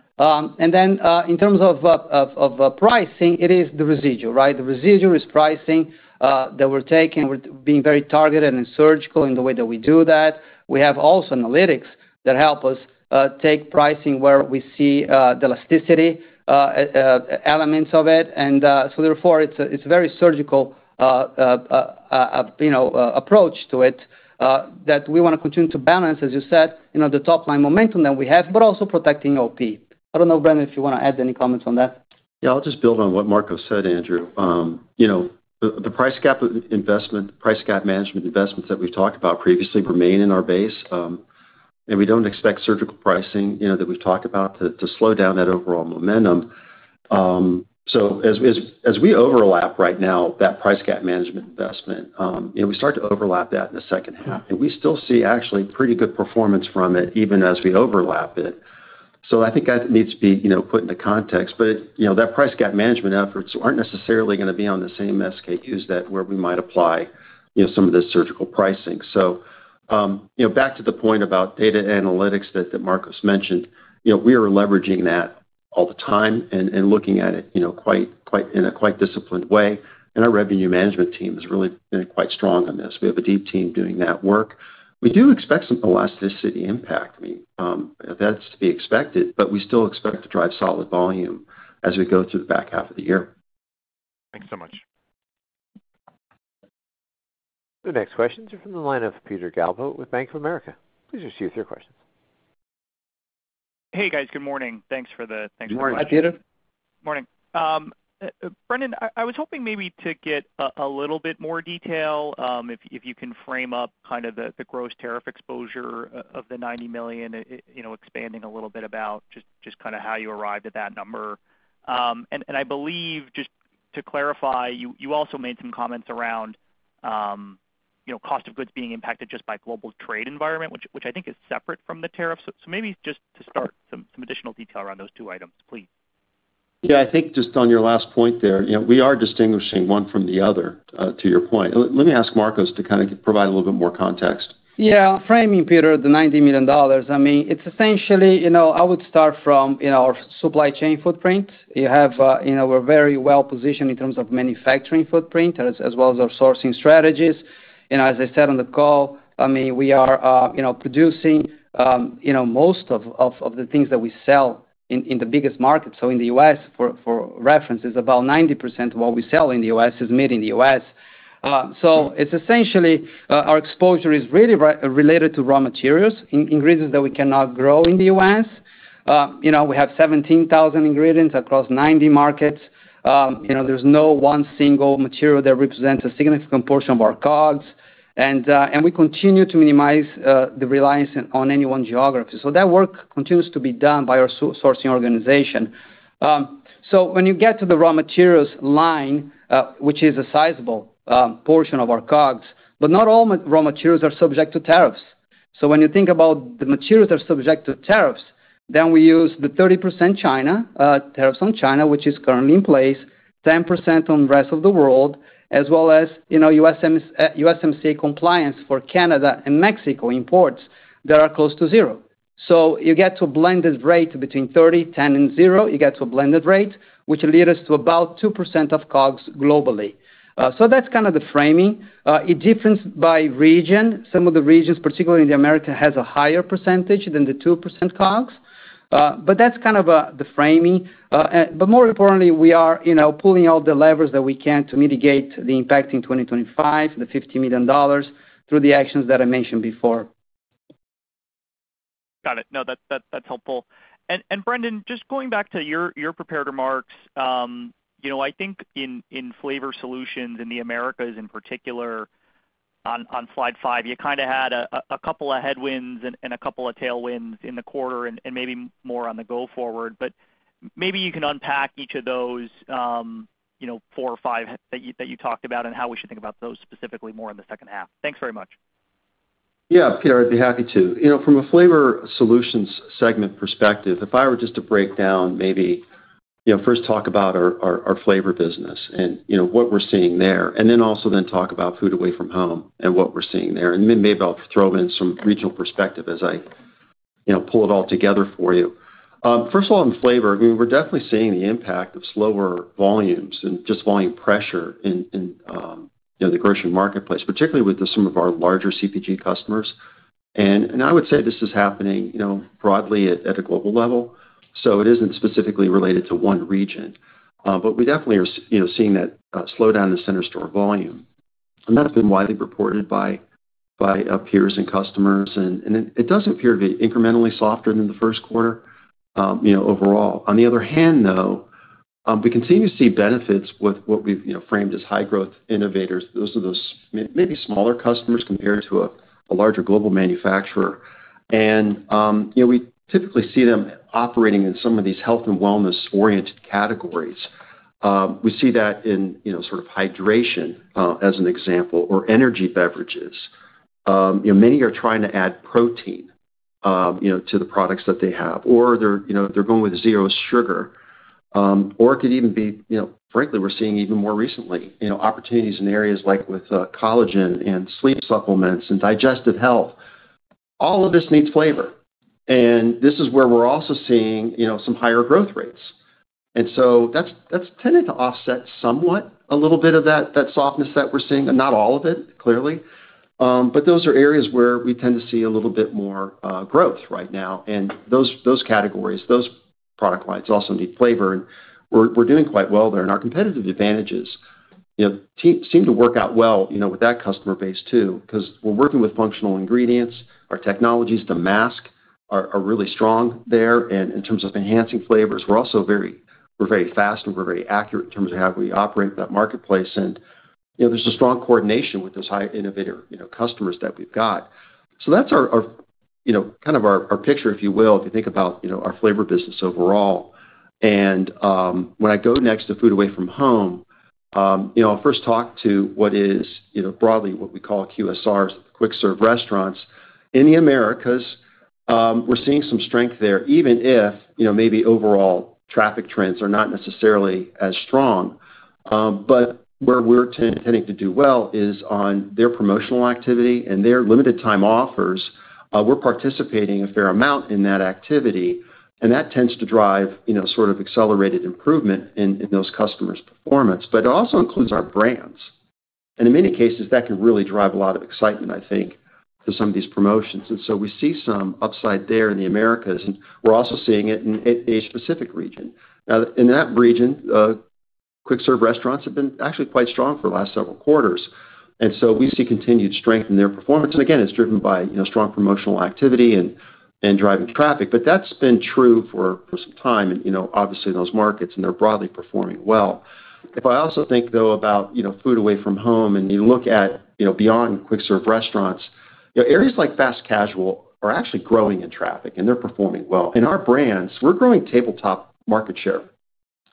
In terms of pricing, it is the residual, right? The residual is pricing that we're taking. We're being very targeted and surgical in the way that we do that. We have also analytics that help us take pricing where we see the elasticity elements of it. Therefore, it's a very surgical, you know, approach to it that we want to continue to balance, as you said, you know, the top-line momentum that we have, but also protecting OP. I don't know, Brendan, if you want to add any comments on that. Yeah, I'll just build on what Marcos said, Andrew. You know, the price gap investment, price gap management investments that we've talked about previously remain in our base. We don't expect surgical pricing, you know, that we've talked about to slow down that overall momentum. As we overlap right now that price gap management investment, you know, we start to overlap that in the second half. We still see actually pretty good performance from it even as we overlap it. I think that needs to be, you know, put into context. You know, that price gap management efforts aren't necessarily going to be on the same SKUs that where we might apply, you know, some of this surgical pricing. You know, back to the point about data analytics that Marcos mentioned, you know, we are leveraging that all the time and looking at it, you know, in a quite disciplined way. Our revenue management team has really been quite strong on this. We have a deep team doing that work. We do expect some elasticity impact. I mean, that's to be expected, but we still expect to drive solid volume as we go through the back half of the year. Thanks so much. The next questions are from the line of Peter Galbo with Bank of America. Please proceed with your questions. Hey, guys. Good morning. Thanks for the—thanks for joining us. Good morning, Hi Peter. Morning. Brendan, I was hoping maybe to get a little bit more detail if you can frame up kind of the gross tariff exposure of the $90 million, you know, expanding a little bit about just kind of how you arrived at that number. And I believe just to clarify, you also made some comments around, you know, cost of goods being impacted just by global trade environment, which I think is separate from the tariffs. Maybe just to start, some additional detail around those two items, please. Yeah, I think just on your last point there, you know, we are distinguishing one from the other, to your point. Let me ask Marcos to kind of provide a little bit more context. Yeah, framing, Peter, the $90 million. I mean, it's essentially, you know, I would start from, you know, our supply chain footprint. You have, you know, we're very well positioned in terms of manufacturing footprint as well as our sourcing strategies. You know, as I said on the call, I mean, we are, you know, producing, you know, most of the things that we sell in the biggest markets. In the U.S., for reference, it's about 90% of what we sell in the U.S. is made in the U.S. It's essentially our exposure is really related to raw materials, ingredients that we cannot grow in the U.S. You know, we have 17,000 ingredients across 90 markets. There's no one single material that represents a significant portion of our COGS. We continue to minimize the reliance on any one geography. That work continues to be done by our sourcing organization. When you get to the raw materials line, which is a sizable portion of our COGS, but not all raw materials are subject to tariffs. When you think about the materials that are subject to tariffs, then we use the 30% China tariffs on China, which is currently in place, 10% on the rest of the world, as well as, you know, USMCA compliance for Canada and Mexico imports that are close to zero. You get to a blended rate between 30%, 10%, and zero. You get to a blended rate, which leads us to about 2% of COGS globally. That is kind of the framing. It differs by region. Some of the regions, particularly in Americas, have a higher percentage than the 2% COGS. That is kind of the framing. But more importantly, we are, you know, pulling all the levers that we can to mitigate the impact in 2025, the $50 million through the actions that I mentioned before. Got it. No, that's helpful. And Brendan, just going back to your prepared remarks, you know, I think in flavor solutions and the Americas in particular, on slide five, you kind of had a couple of headwinds and a couple of tailwinds in the quarter and maybe more on the go forward. But maybe you can unpack each of those, you know, four or five that you talked about and how we should think about those specifically more in the second half. Thanks very much. Yeah, Peter, I'd be happy to. You know, from a flavor solutions segment perspective, if I were just to break down maybe, you know, first talk about our flavor business and, you know, what we're seeing there, and then also then talk about food away from home and what we're seeing there. Maybe I'll throw in some regional perspective as I, you know, pull it all together for you. First of all, in flavor, I mean, we're definitely seeing the impact of slower volumes and just volume pressure in, you know, the grocery marketplace, particularly with some of our larger CPG customers. I would say this is happening, you know, broadly at a global level. It isn't specifically related to one region. We definitely are, you know, seeing that slowdown in the center store volume. That's been widely reported by peers and customers. It does appear to be incrementally softer than the first quarter, you know, overall. On the other hand, though, we continue to see benefits with what we've, you know, framed as high-growth innovators. Those are those maybe smaller customers compared to a larger global manufacturer. You know, we typically see them operating in some of these health and wellness-oriented categories. We see that in, you know, sort of hydration as an example or energy beverages. You know, many are trying to add protein, you know, to the products that they have, or they're, you know, they're going with zero sugar. It could even be, you know, frankly, we're seeing even more recently, you know, opportunities in areas like with collagen and sleep supplements and digestive health. All of this needs flavor. This is where we're also seeing, you know, some higher growth rates. That has tended to offset somewhat a little bit of that softness that we are seeing, but not all of it, clearly. Those are areas where we tend to see a little bit more growth right now. Those categories, those product lines also need flavor. We are doing quite well there. Our competitive advantages, you know, seem to work out well, you know, with that customer base too, because we are working with functional ingredients. Our technologies to mask are really strong there. In terms of enhancing flavors, we are also very, we are very fast and we are very accurate in terms of how we operate that marketplace. You know, there is a strong coordination with those high innovator, you know, customers that we have got. That is our, you know, kind of our picture, if you will, if you think about, you know, our flavor business overall. When I go next to food away from home, you know, I'll first talk to what is, you know, broadly what we call QSRs, the quick-serve restaurants in the Americas. We're seeing some strength there, even if, you know, maybe overall traffic trends are not necessarily as strong. Where we're tending to do well is on their promotional activity and their limited-time offers. We're participating a fair amount in that activity. That tends to drive, you know, sort of accelerated improvement in those customers' performance. It also includes our brands. In many cases, that can really drive a lot of excitement, I think, to some of these promotions. We see some upside there in the Americas. We're also seeing it in a specific region. In that region, quick-serve restaurants have been actually quite strong for the last several quarters. We see continued strength in their performance. Again, it's driven by, you know, strong promotional activity and driving traffic. That's been true for some time. Obviously in those markets, they're broadly performing well. If I also think, though, about, you know, food away from home and you look at, you know, beyond quick-serve restaurants, areas like fast casual are actually growing in traffic, and they're performing well. Our brands, we're growing tabletop market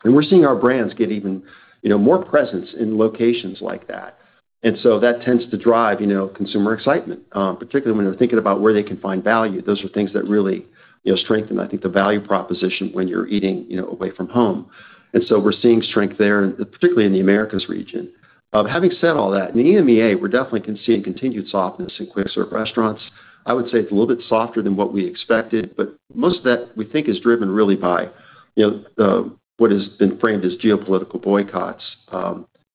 share. We're seeing our brands get even, you know, more presence in locations like that. That tends to drive, you know, consumer excitement, particularly when they're thinking about where they can find value. Those are things that really, you know, strengthen, I think, the value proposition when you're eating, you know, away from home. We're seeing strength there, and particularly in the Americas region. Having said all that, in EMEA, we're definitely seeing continued softness in quick-serve restaurants. I would say it's a little bit softer than what we expected. Most of that, we think, is driven really by, you know, what has been framed as geopolitical boycotts,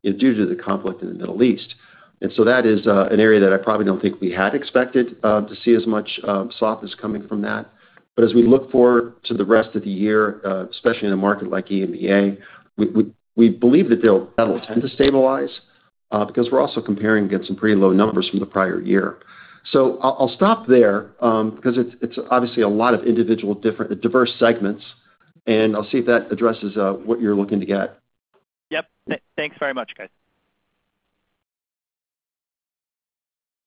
you know, due to the conflict in the Middle East. That is an area that I probably don't think we had expected to see as much softness coming from. As we look forward to the rest of the year, especially in a market like EMEA, we believe that that'll tend to stabilize because we're also comparing against some pretty low numbers from the prior year. I'll stop there because it's obviously a lot of individual different diverse segments. I'll see if that addresses what you're looking to get. Yep. Thanks very much, guys.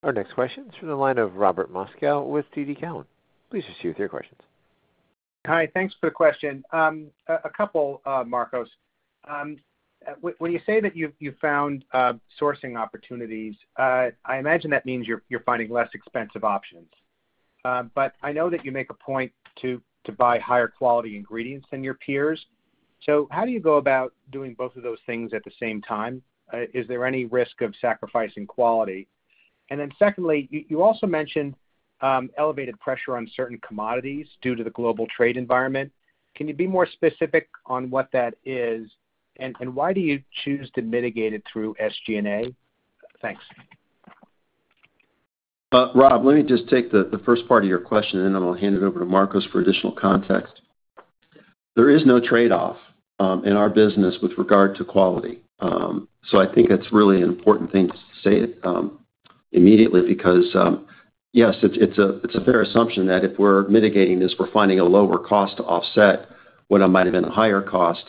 Our next question is from the line of Robert Moskow with TD Cowen. Please proceed with your questions. Hi, thanks for the question. A couple, Marcos. When you say that you've found sourcing opportunities, I imagine that means you're finding less expensive options. I know that you make a point to buy higher quality ingredients than your peers. How do you go about doing both of those things at the same time? Is there any risk of sacrificing quality? Secondly, you also mentioned elevated pressure on certain commodities due to the global trade environment. Can you be more specific on what that is? Why do you choose to mitigate it through SG&A? Thanks. Rob, let me just take the first part of your question, and then I'll hand it over to Marcos for additional context. There is no trade-off in our business with regard to quality. I think it's really an important thing to say it immediately because, yes, it's a fair assumption that if we're mitigating this, we're finding a lower cost to offset what might have been a higher cost.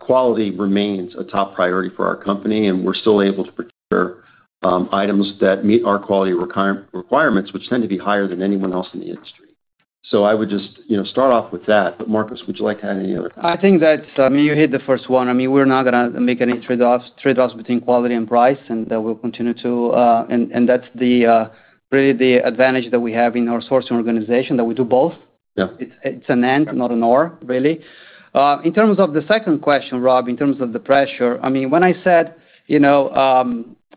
Quality remains a top priority for our company. We're still able to procure items that meet our quality requirements, which tend to be higher than anyone else in the industry. I would just, you know, start off with that. Marcos, would you like to add any other things? I think that, I mean, you hit the first one. I mean, we're not going to make any trade-offs between quality and price. We'll continue to, and that's really the advantage that we have in our sourcing organization that we do both. Yeah, it's an and, not an or, really. In terms of the second question, Rob, in terms of the pressure, I mean, when I said, you know,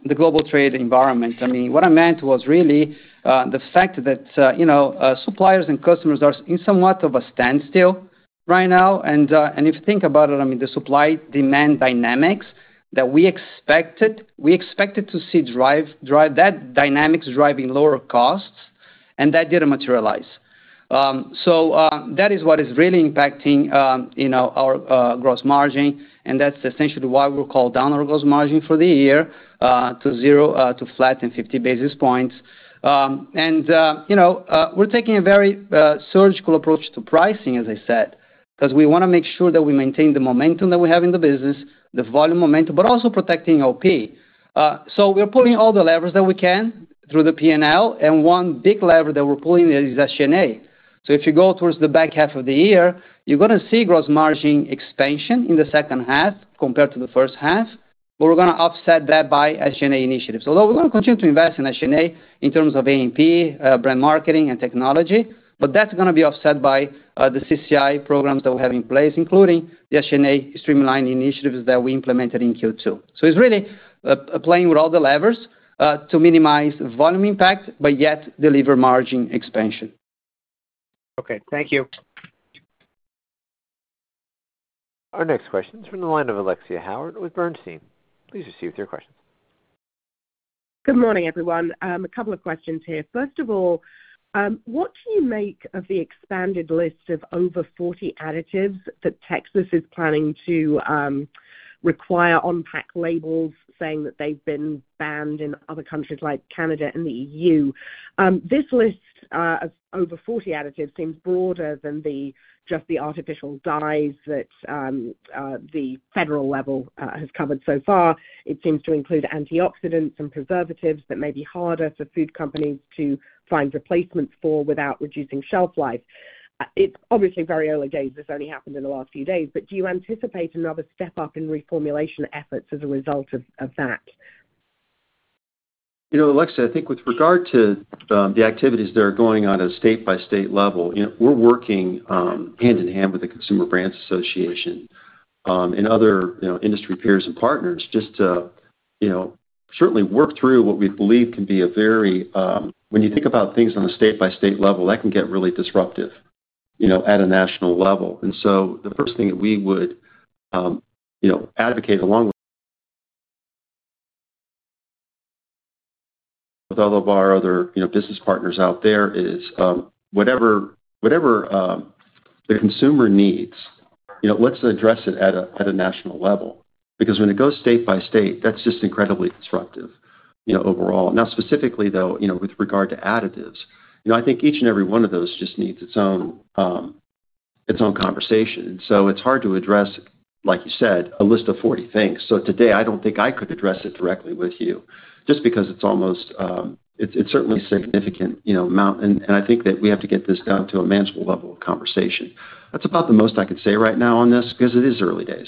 the global trade environment, I mean, what I meant was really the fact that, you know, suppliers and customers are in somewhat of a standstill right now. If you think about it, I mean, the supply-demand dynamics that we expected, we expected to see that dynamics driving lower costs. That didn't materialize. That is what is really impacting, you know, our gross margin. That's essentially why we called down our gross margin for the year to zero, to flat in 50 basis points. You know, we're taking a very surgical approach to pricing, as I said, because we want to make sure that we maintain the momentum that we have in the business, the volume momentum, but also protecting OP. We're pulling all the levers that we can through the P&L. One big lever that we're pulling is SG&A. If you go towards the back half of the year, you're going to see gross margin expansion in the second half compared to the first half. We're going to offset that by SG&A initiatives. Although we're going to continue to invest in SG&A in terms of A&P, brand marketing, and technology, that's going to be offset by the CCI programs that we have in place, including the SG&A streamlined initiatives that we implemented in Q2. So it's really playing with all the levers to minimize volume impact, but yet deliver margin expansion. Okay. Thank you. Our next question is from the line of Alexia Howard with Bernstein. Please proceed with your questions. Good morning, everyone. A couple of questions here. First of all, what do you make of the expanded list of over 40 additives that Texas is planning to require on pack labels saying that they've been banned in other countries like Canada and the EU? This list of over 40 additives seems broader than just the artificial dyes that the federal level has covered so far. It seems to include antioxidants and preservatives that may be harder for food companies to find replacements for without reducing shelf life. It's obviously very early days. This only happened in the last few days. Do you anticipate another step up in reformulation efforts as a result of that? You know, Alexia, I think with regard to the activities that are going on at a state-by-state level, you know, we're working hand in hand with the Consumer Brands Association and other industry peers and partners just to, you know, certainly work through what we believe can be a very, when you think about things on a state-by-state level, that can get really disruptive, you know, at a national level. The first thing that we would, you know, advocate along with all of our other business partners out there is whatever the consumer needs, you know, let's address it at a national level. Because when it goes state by state, that's just incredibly disruptive, you know, overall. Now, specifically, though, you know, with regard to additives, you know, I think each and every one of those just needs its own conversation. It is hard to address, like you said, a list of 40 things. Today, I do not think I could address it directly with you just because it is almost, it is certainly a significant, you know, amount. I think that we have to get this down to a manageable level of conversation. That is about the most I can say right now on this because it is early days.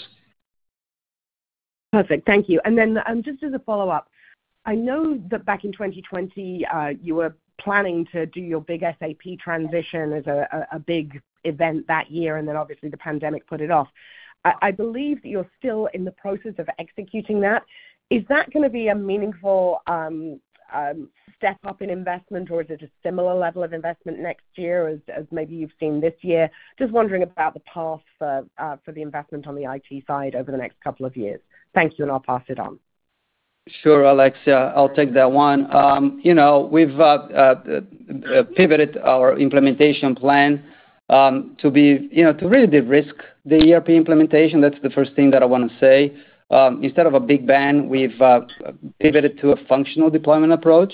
Perfect. Thank you. And then just as a follow-up, I know that back in 2020, you were planning to do your big SAP transition as a big event that year. Obviously the pandemic put it off. I believe that you are still in the process of executing that. Is that going to be a meaningful step up in investment, or is it a similar level of investment next year as maybe you've seen this year? Just wondering about the path for the investment on the IT side over the next couple of years. Thank you, and I'll pass it on. Sure, Alexia. I'll take that one. You know, we've pivoted our implementation plan to be, you know, to really de-risk the ERP implementation. That's the first thing that I want to say. Instead of a big bang, we've pivoted to a functional deployment approach,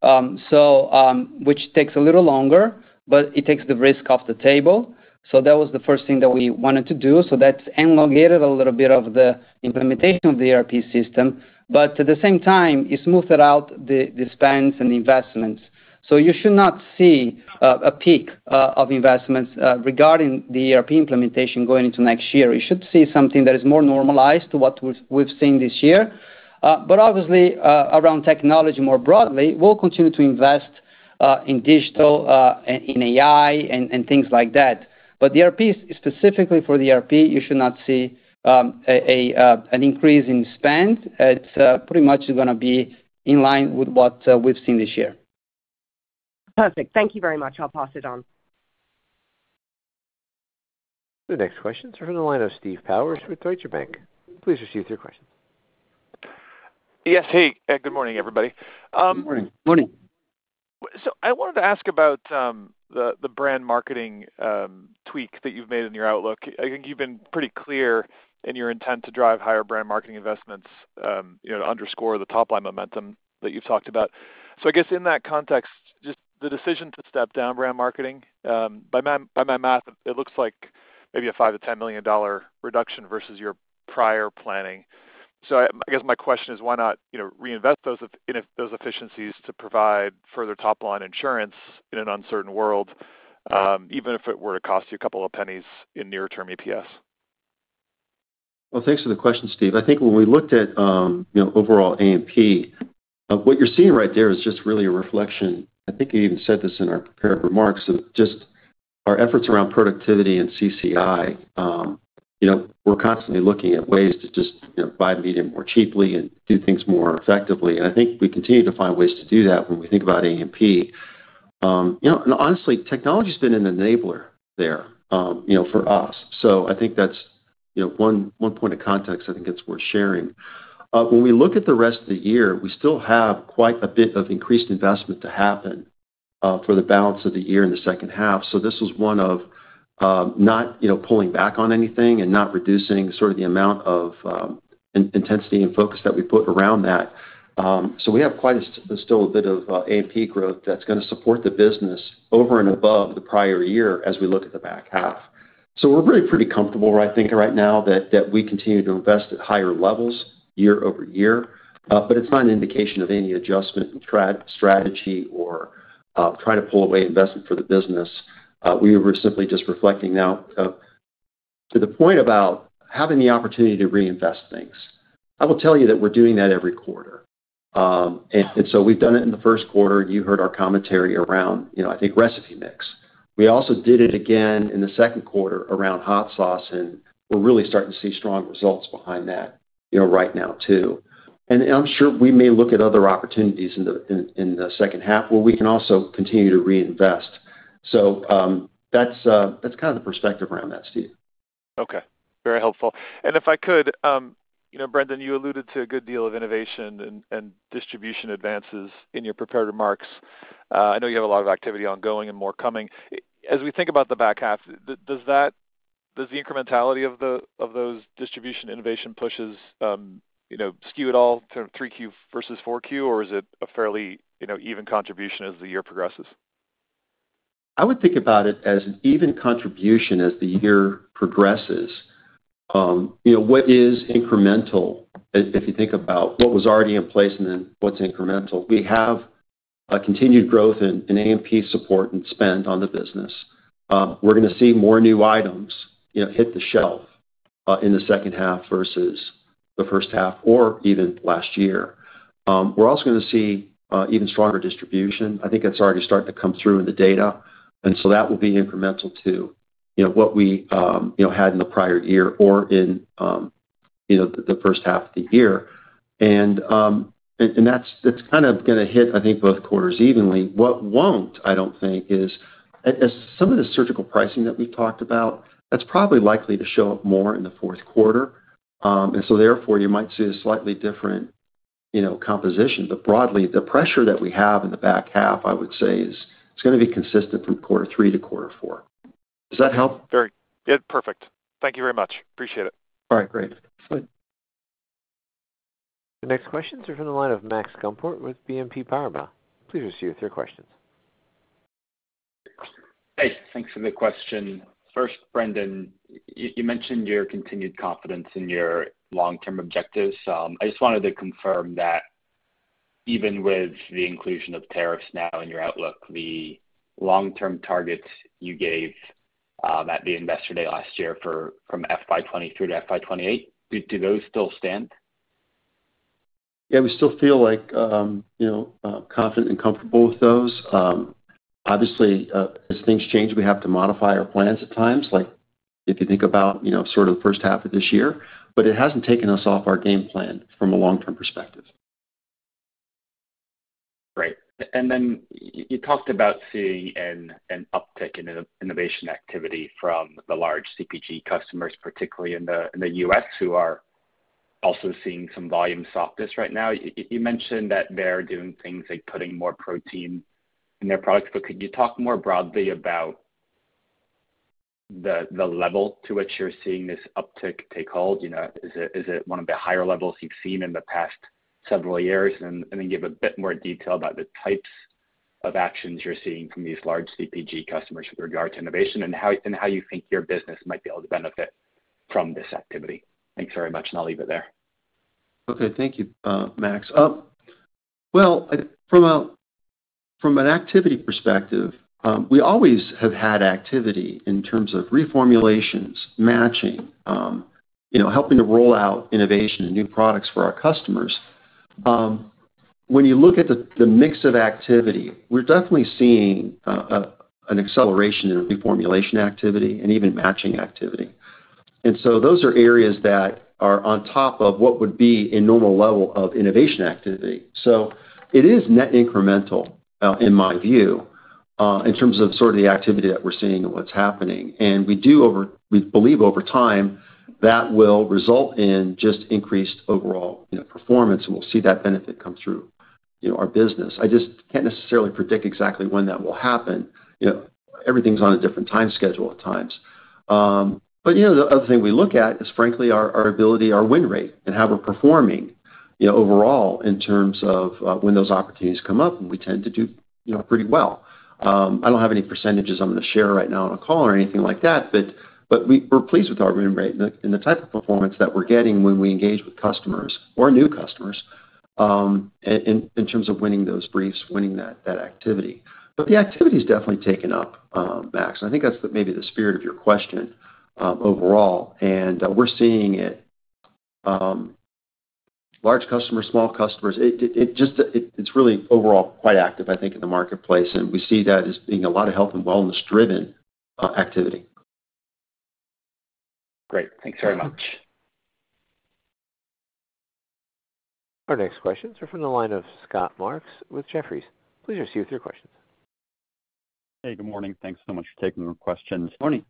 which takes a little longer, but it takes the risk off the table. That was the first thing that we wanted to do. That has elongated a little bit of the implementation of the ERP system. At the same time, it smoothed out the spends and the investments. You should not see a peak of investments regarding the ERP implementation going into next year. You should see something that is more normalized to what we've seen this year. Obviously, around technology more broadly, we'll continue to invest in digital, in AI, and things like that. For the ERP, specifically for the ERP, you should not see an increase in spend. It's pretty much going to be in line with what we've seen this year. Perfect. Thank you very much. I'll pass it on. The next question is from the line of Steve Powers with Deutsche Bank. Please proceed with your questions. Yes. Hey, good morning, everybody. Good morning. Good morning. I wanted to ask about the brand marketing tweak that you've made in your outlook. I think you've been pretty clear in your intent to drive higher brand marketing investments, you know, to underscore the top-line momentum that you've talked about. I guess in that context, just the decision to step down brand marketing, by my math, it looks like maybe a $5-$10 million reduction versus your prior planning. I guess my question is, why not reinvest those efficiencies to provide further top-line insurance in an uncertain world, even if it were to cost you a couple of pennies in near-term EPS? Thanks for the question, Steve. I think when we looked at, you know, overall A&P, what you're seeing right there is just really a reflection. I think you even said this in our prepared remarks of just our efforts around productivity and CCI. You know, we're constantly looking at ways to just buy media more cheaply and do things more effectively. I think we continue to find ways to do that when we think about A&P. You know, and honestly, technology has been an enabler there, you know, for us. I think that's, you know, one point of context I think it's worth sharing. When we look at the rest of the year, we still have quite a bit of increased investment to happen for the balance of the year in the second half. This was one of not, you know, pulling back on anything and not reducing sort of the amount of intensity and focus that we put around that. We have quite still a bit of A&P growth that's going to support the business over and above the prior year as we look at the back half. We're really pretty comfortable, I think, right now that we continue to invest at higher levels year-over-year. It is not an indication of any adjustment in strategy or trying to pull away investment for the business. We were simply just reflecting now to the point about having the opportunity to reinvest things. I will tell you that we're doing that every quarter. We've done it in the first quarter. You heard our commentary around, you know, I think recipe mix. We also did it again in the second quarter around hot sauce. We're really starting to see strong results behind that, you know, right now too. I'm sure we may look at other opportunities in the second half where we can also continue to reinvest. That is kind of the perspective around that, Steve. Okay. Very helpful. If I could, you know, Brendan, you alluded to a good deal of innovation and distribution advances in your prepared remarks. I know you have a lot of activity ongoing and more coming. As we think about the back half, does the incrementality of those distribution innovation pushes, you know, skew at all to 3Q versus 4Q, or is it a fairly, you know, even contribution as the year progresses? I would think about it as an even contribution as the year progresses. You know, what is incremental if you think about what was already in place and then what's incremental? We have continued growth in A&P support and spend on the business. We're going to see more new items, you know, hit the shelf in the second half versus the first half or even last year. We're also going to see even stronger distribution. I think that's already starting to come through in the data. And so that will be incremental to, you know, what we, you know, had in the prior year or in, you know, the first half of the year. And that's kind of going to hit, I think, both quarters evenly. What won't, I don't think, is some of the surgical pricing that we've talked about, that's probably likely to show up more in the fourth quarter. And so therefore, you might see a slightly different, you know, composition. But broadly, the pressure that we have in the back half, I would say, is going to be consistent from quarter three to quarter four. Does that help? Very good. Perfect. Thank you very much. Appreciate it. All right. Great. The next questions are from the line of Max Gumport with BNP Paribas. Please proceed with your questions. Hey, thanks for the question. First, Brendan, you mentioned your continued confidence in your long-term objectives. I just wanted to confirm that even with the inclusion of tariffs now in your outlook, the long-term targets you gave at the investor day last year from FY 2023 to FY 2028, do those still stand? Yeah, we still feel like, you know, confident and comfortable with those. Obviously, as things change, we have to modify our plans at times, like if you think about, you know, sort of the first half of this year. It hasn't taken us off our game plan from a long-term perspective. Great. You talked about seeing an uptick in innovation activity from the large CPG customers, particularly in the U.S., who are also seeing some volume softness right now. You mentioned that they're doing things like putting more protein in their products. Could you talk more broadly about the level to which you're seeing this uptick take hold? You know, is it one of the higher levels you've seen in the past several years? Give a bit more detail about the types of actions you're seeing from these large CPG customers with regard to innovation and how you think your business might be able to benefit from this activity. Thanks very much, and I'll leave it there. Okay. Thank you, Max. From an activity perspective, we always have had activity in terms of reformulations, matching, you know, helping to roll out innovation and new products for our customers. When you look at the mix of activity, we're definitely seeing an acceleration in reformulation activity and even matching activity. Those are areas that are on top of what would be a normal level of innovation activity. It is net incremental, in my view, in terms of sort of the activity that we're seeing and what's happening. We do, over, we believe over time, that will result in just increased overall, you know, performance. We'll see that benefit come through, you know, our business. I just can't necessarily predict exactly when that will happen. You know, everything's on a different time schedule at times. You know, the other thing we look at is, frankly, our ability, our win rate, and how we're performing, you know, overall in terms of when those opportunities come up. We tend to do, you know, pretty well. I don't have any percentages I'm going to share right now on a call or anything like that. We're pleased with our win rate and the type of performance that we're getting when we engage with customers or new customers in terms of winning those briefs, winning that activity. The activity has definitely taken up, Max. I think that's maybe the spirit of your question overall. We're seeing it, large customers, small customers. It's really overall quite active, I think, in the marketplace. We see that as being a lot of health and wellness-driven activity. Great. Thanks very much. Our next questions are from the line of Scott Marks with Jefferies. Please proceed with your questions. Hey, good morning. Thanks so much for taking our questions. Morning.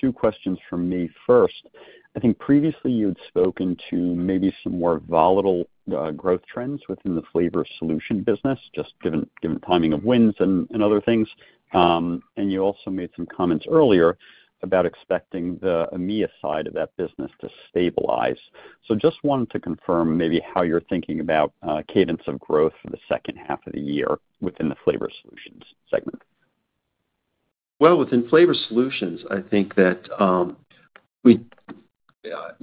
Two questions for me first. I think previously you had spoken to maybe some more volatile growth trends within the flavor solution business, just given timing of wins and other things. You also made some comments earlier about expecting the AMEA side of that business to stabilize. Just wanted to confirm maybe how you're thinking about cadence of growth for the second half of the year within the flavor solutions segment. Within flavor solutions, I think that we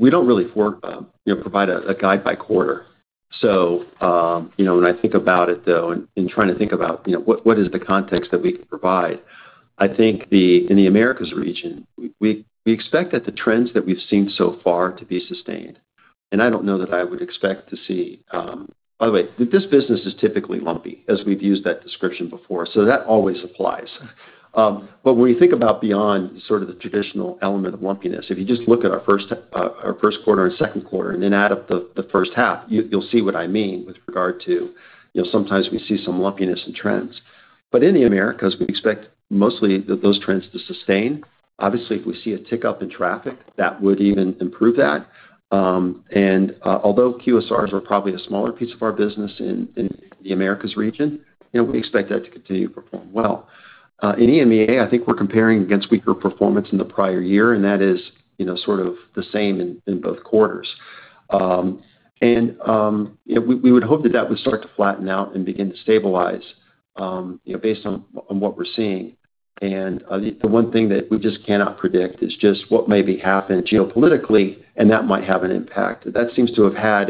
don't really provide a guide by quarter. You know, when I think about it, though, and trying to think about, you know, what is the context that we can provide, I think in the Americas region, we expect that the trends that we've seen so far to be sustained. I don't know that I would expect to see, by the way, this business is typically lumpy, as we've used that description before. That always applies. When you think about beyond sort of the traditional element of lumpiness, if you just look at our first quarter and second quarter and then add up the first half, you'll see what I mean with regard to, you know, sometimes we see some lumpiness in trends. In the Americas, we expect mostly those trends to sustain. Obviously, if we see a tick up in traffic, that would even improve that. Although QSRs are probably a smaller piece of our business in the Americas region, you know, we expect that to continue to perform well. In EMEA, I think we're comparing against weaker performance in the prior year. That is, you know, sort of the same in both quarters. We would hope that that would start to flatten out and begin to stabilize, you know, based on what we're seeing. The one thing that we just cannot predict is just what may be happening geopolitically, and that might have an impact. That seems to have had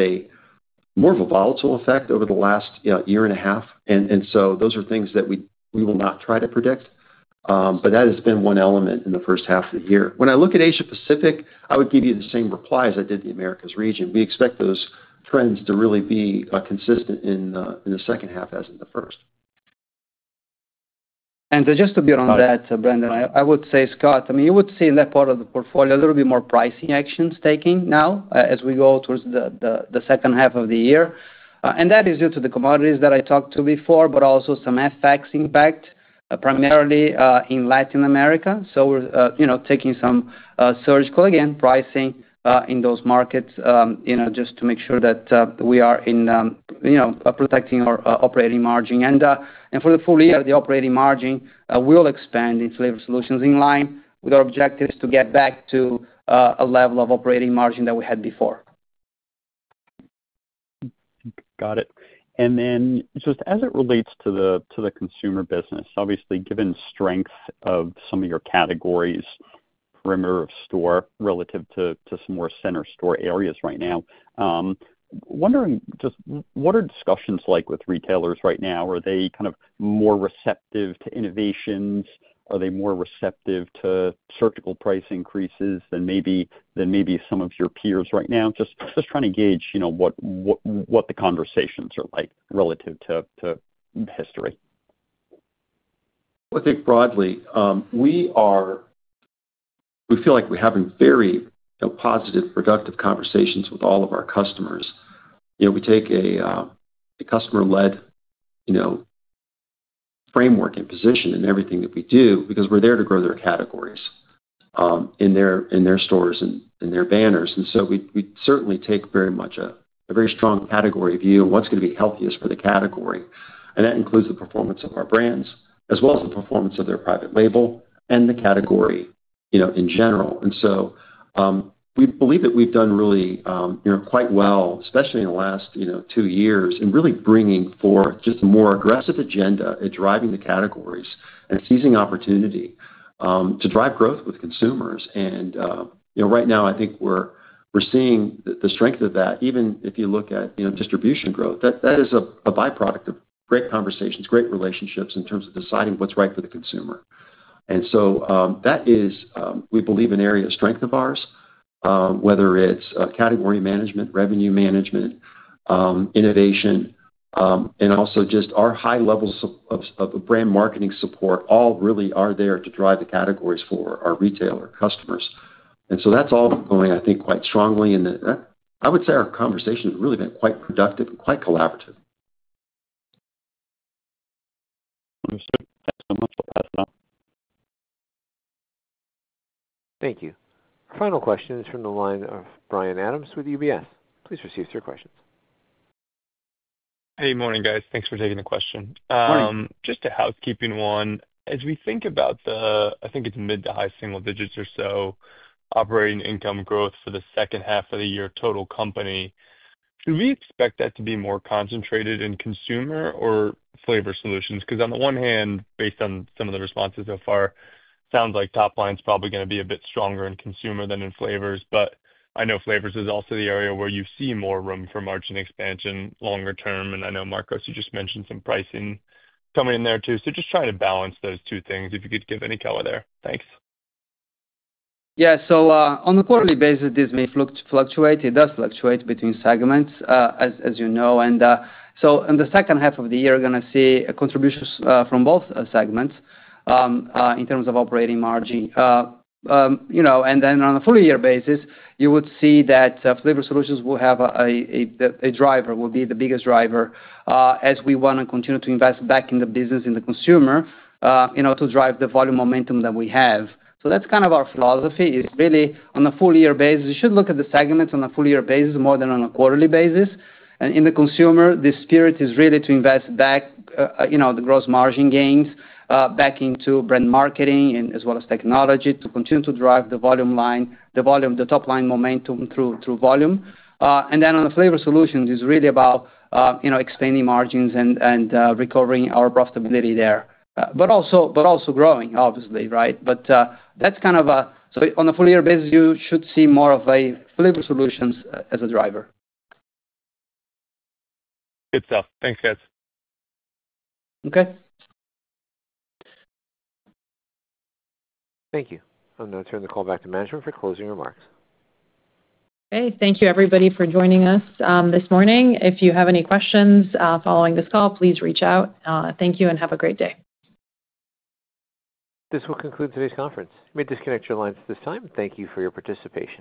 more of a volatile effect over the last year and a half. Those are things that we will not try to predict. That has been one element in the first half of the year. When I look at Asia-Pacific, I would give you the same reply as I did in the Americas region. We expect those trends to really be consistent in the second half as in the first. Just to be on that, Brendan, I would say, Scott, I mean, you would see in that part of the portfolio a little bit more pricing actions taking now as we go towards the second half of the year. That is due to the commodities that I talked to before, but also some FX impact, primarily in Latin America. We are, you know, taking some surgical, again, pricing in those markets, you know, just to make sure that we are in, you know, protecting our operating margin. For the full year, the operating margin will expand in flavor solutions in line with our objectives to get back to a level of operating margin that we had before. Got it. Just as it relates to the consumer business, obviously, given strength of some of your categories, perimeter of store relative to some more center store areas right now, wondering just what are discussions like with retailers right now? Are they kind of more receptive to innovations? Are they more receptive to surgical price increases than maybe some of your peers right now? Just trying to gauge, you know, what the conversations are like relative to history. I think broadly, we feel like we're having very positive, productive conversations with all of our customers. You know, we take a customer-led, you know, framework and position in everything that we do because we're there to grow their categories in their stores and their banners. We certainly take very much a very strong category view on what's going to be healthiest for the category. That includes the performance of our brands as well as the performance of their private label and the category, you know, in general. We believe that we've done really, you know, quite well, especially in the last, you know, two years in really bringing forth just a more aggressive agenda at driving the categories and seizing opportunity to drive growth with consumers. You know, right now, I think we're seeing the strength of that. Even if you look at, you know, distribution growth, that is a byproduct of great conversations, great relationships in terms of deciding what's right for the consumer. That is, we believe, an area of strength of ours, whether it's category management, revenue management, innovation, and also just our high levels of brand marketing support all really are there to drive the categories for our retailer customers. That's all going, I think, quite strongly. I would say our conversation has really been quite productive and quite collaborative. Understood. Thanks so much. Thank you. Final question is from the line of Brian Adams with UBS. Please proceed with your questions. Hey, morning, guys. Thanks for taking the question. Just a housekeeping one. As we think about the, I think it's mid to high single digits or so, operating income growth for the second half of the year total company, should we expect that to be more concentrated in consumer or flavor solutions? Because on the one hand, based on some of the responses so far, it sounds like top line's probably going to be a bit stronger in consumer than in flavors. But I know flavors is also the area where you see more room for margin expansion longer term. And I know, Marcos, you just mentioned some pricing coming in there too. Just trying to balance those two things, if you could give any color there. Thanks. Yeah. On the quarterly basis, this may fluctuate. It does fluctuate between segments, as you know. In the second half of the year, we're going to see contributions from both segments in terms of operating margin. You know, and then on a full year basis, you would see that flavor solutions will have a driver, will be the biggest driver as we want to continue to invest back in the business, in the consumer, you know, to drive the volume momentum that we have. That's kind of our philosophy is really on a full year basis. You should look at the segments on a full year basis more than on a quarterly basis. In the consumer, the spirit is really to invest back, you know, the gross margin gains back into brand marketing and as well as technology to continue to drive the volume line, the volume, the top line momentum through volume. On the flavor solutions, it is really about, you know, expanding margins and recovering our profitability there, but also growing, obviously, right? That is kind of a, so on a full year basis, you should see more of a flavor solutions as a driver. Good stuff. Thanks, guys. Okay. Thank you. I am going to turn the call back to management for closing remarks. Okay. Thank you, everybody, for joining us this morning. If you have any questions following this call, please reach out. Thank you and have a great day. This will conclude today's conference. You may disconnect your lines at this time. Thank you for your participation.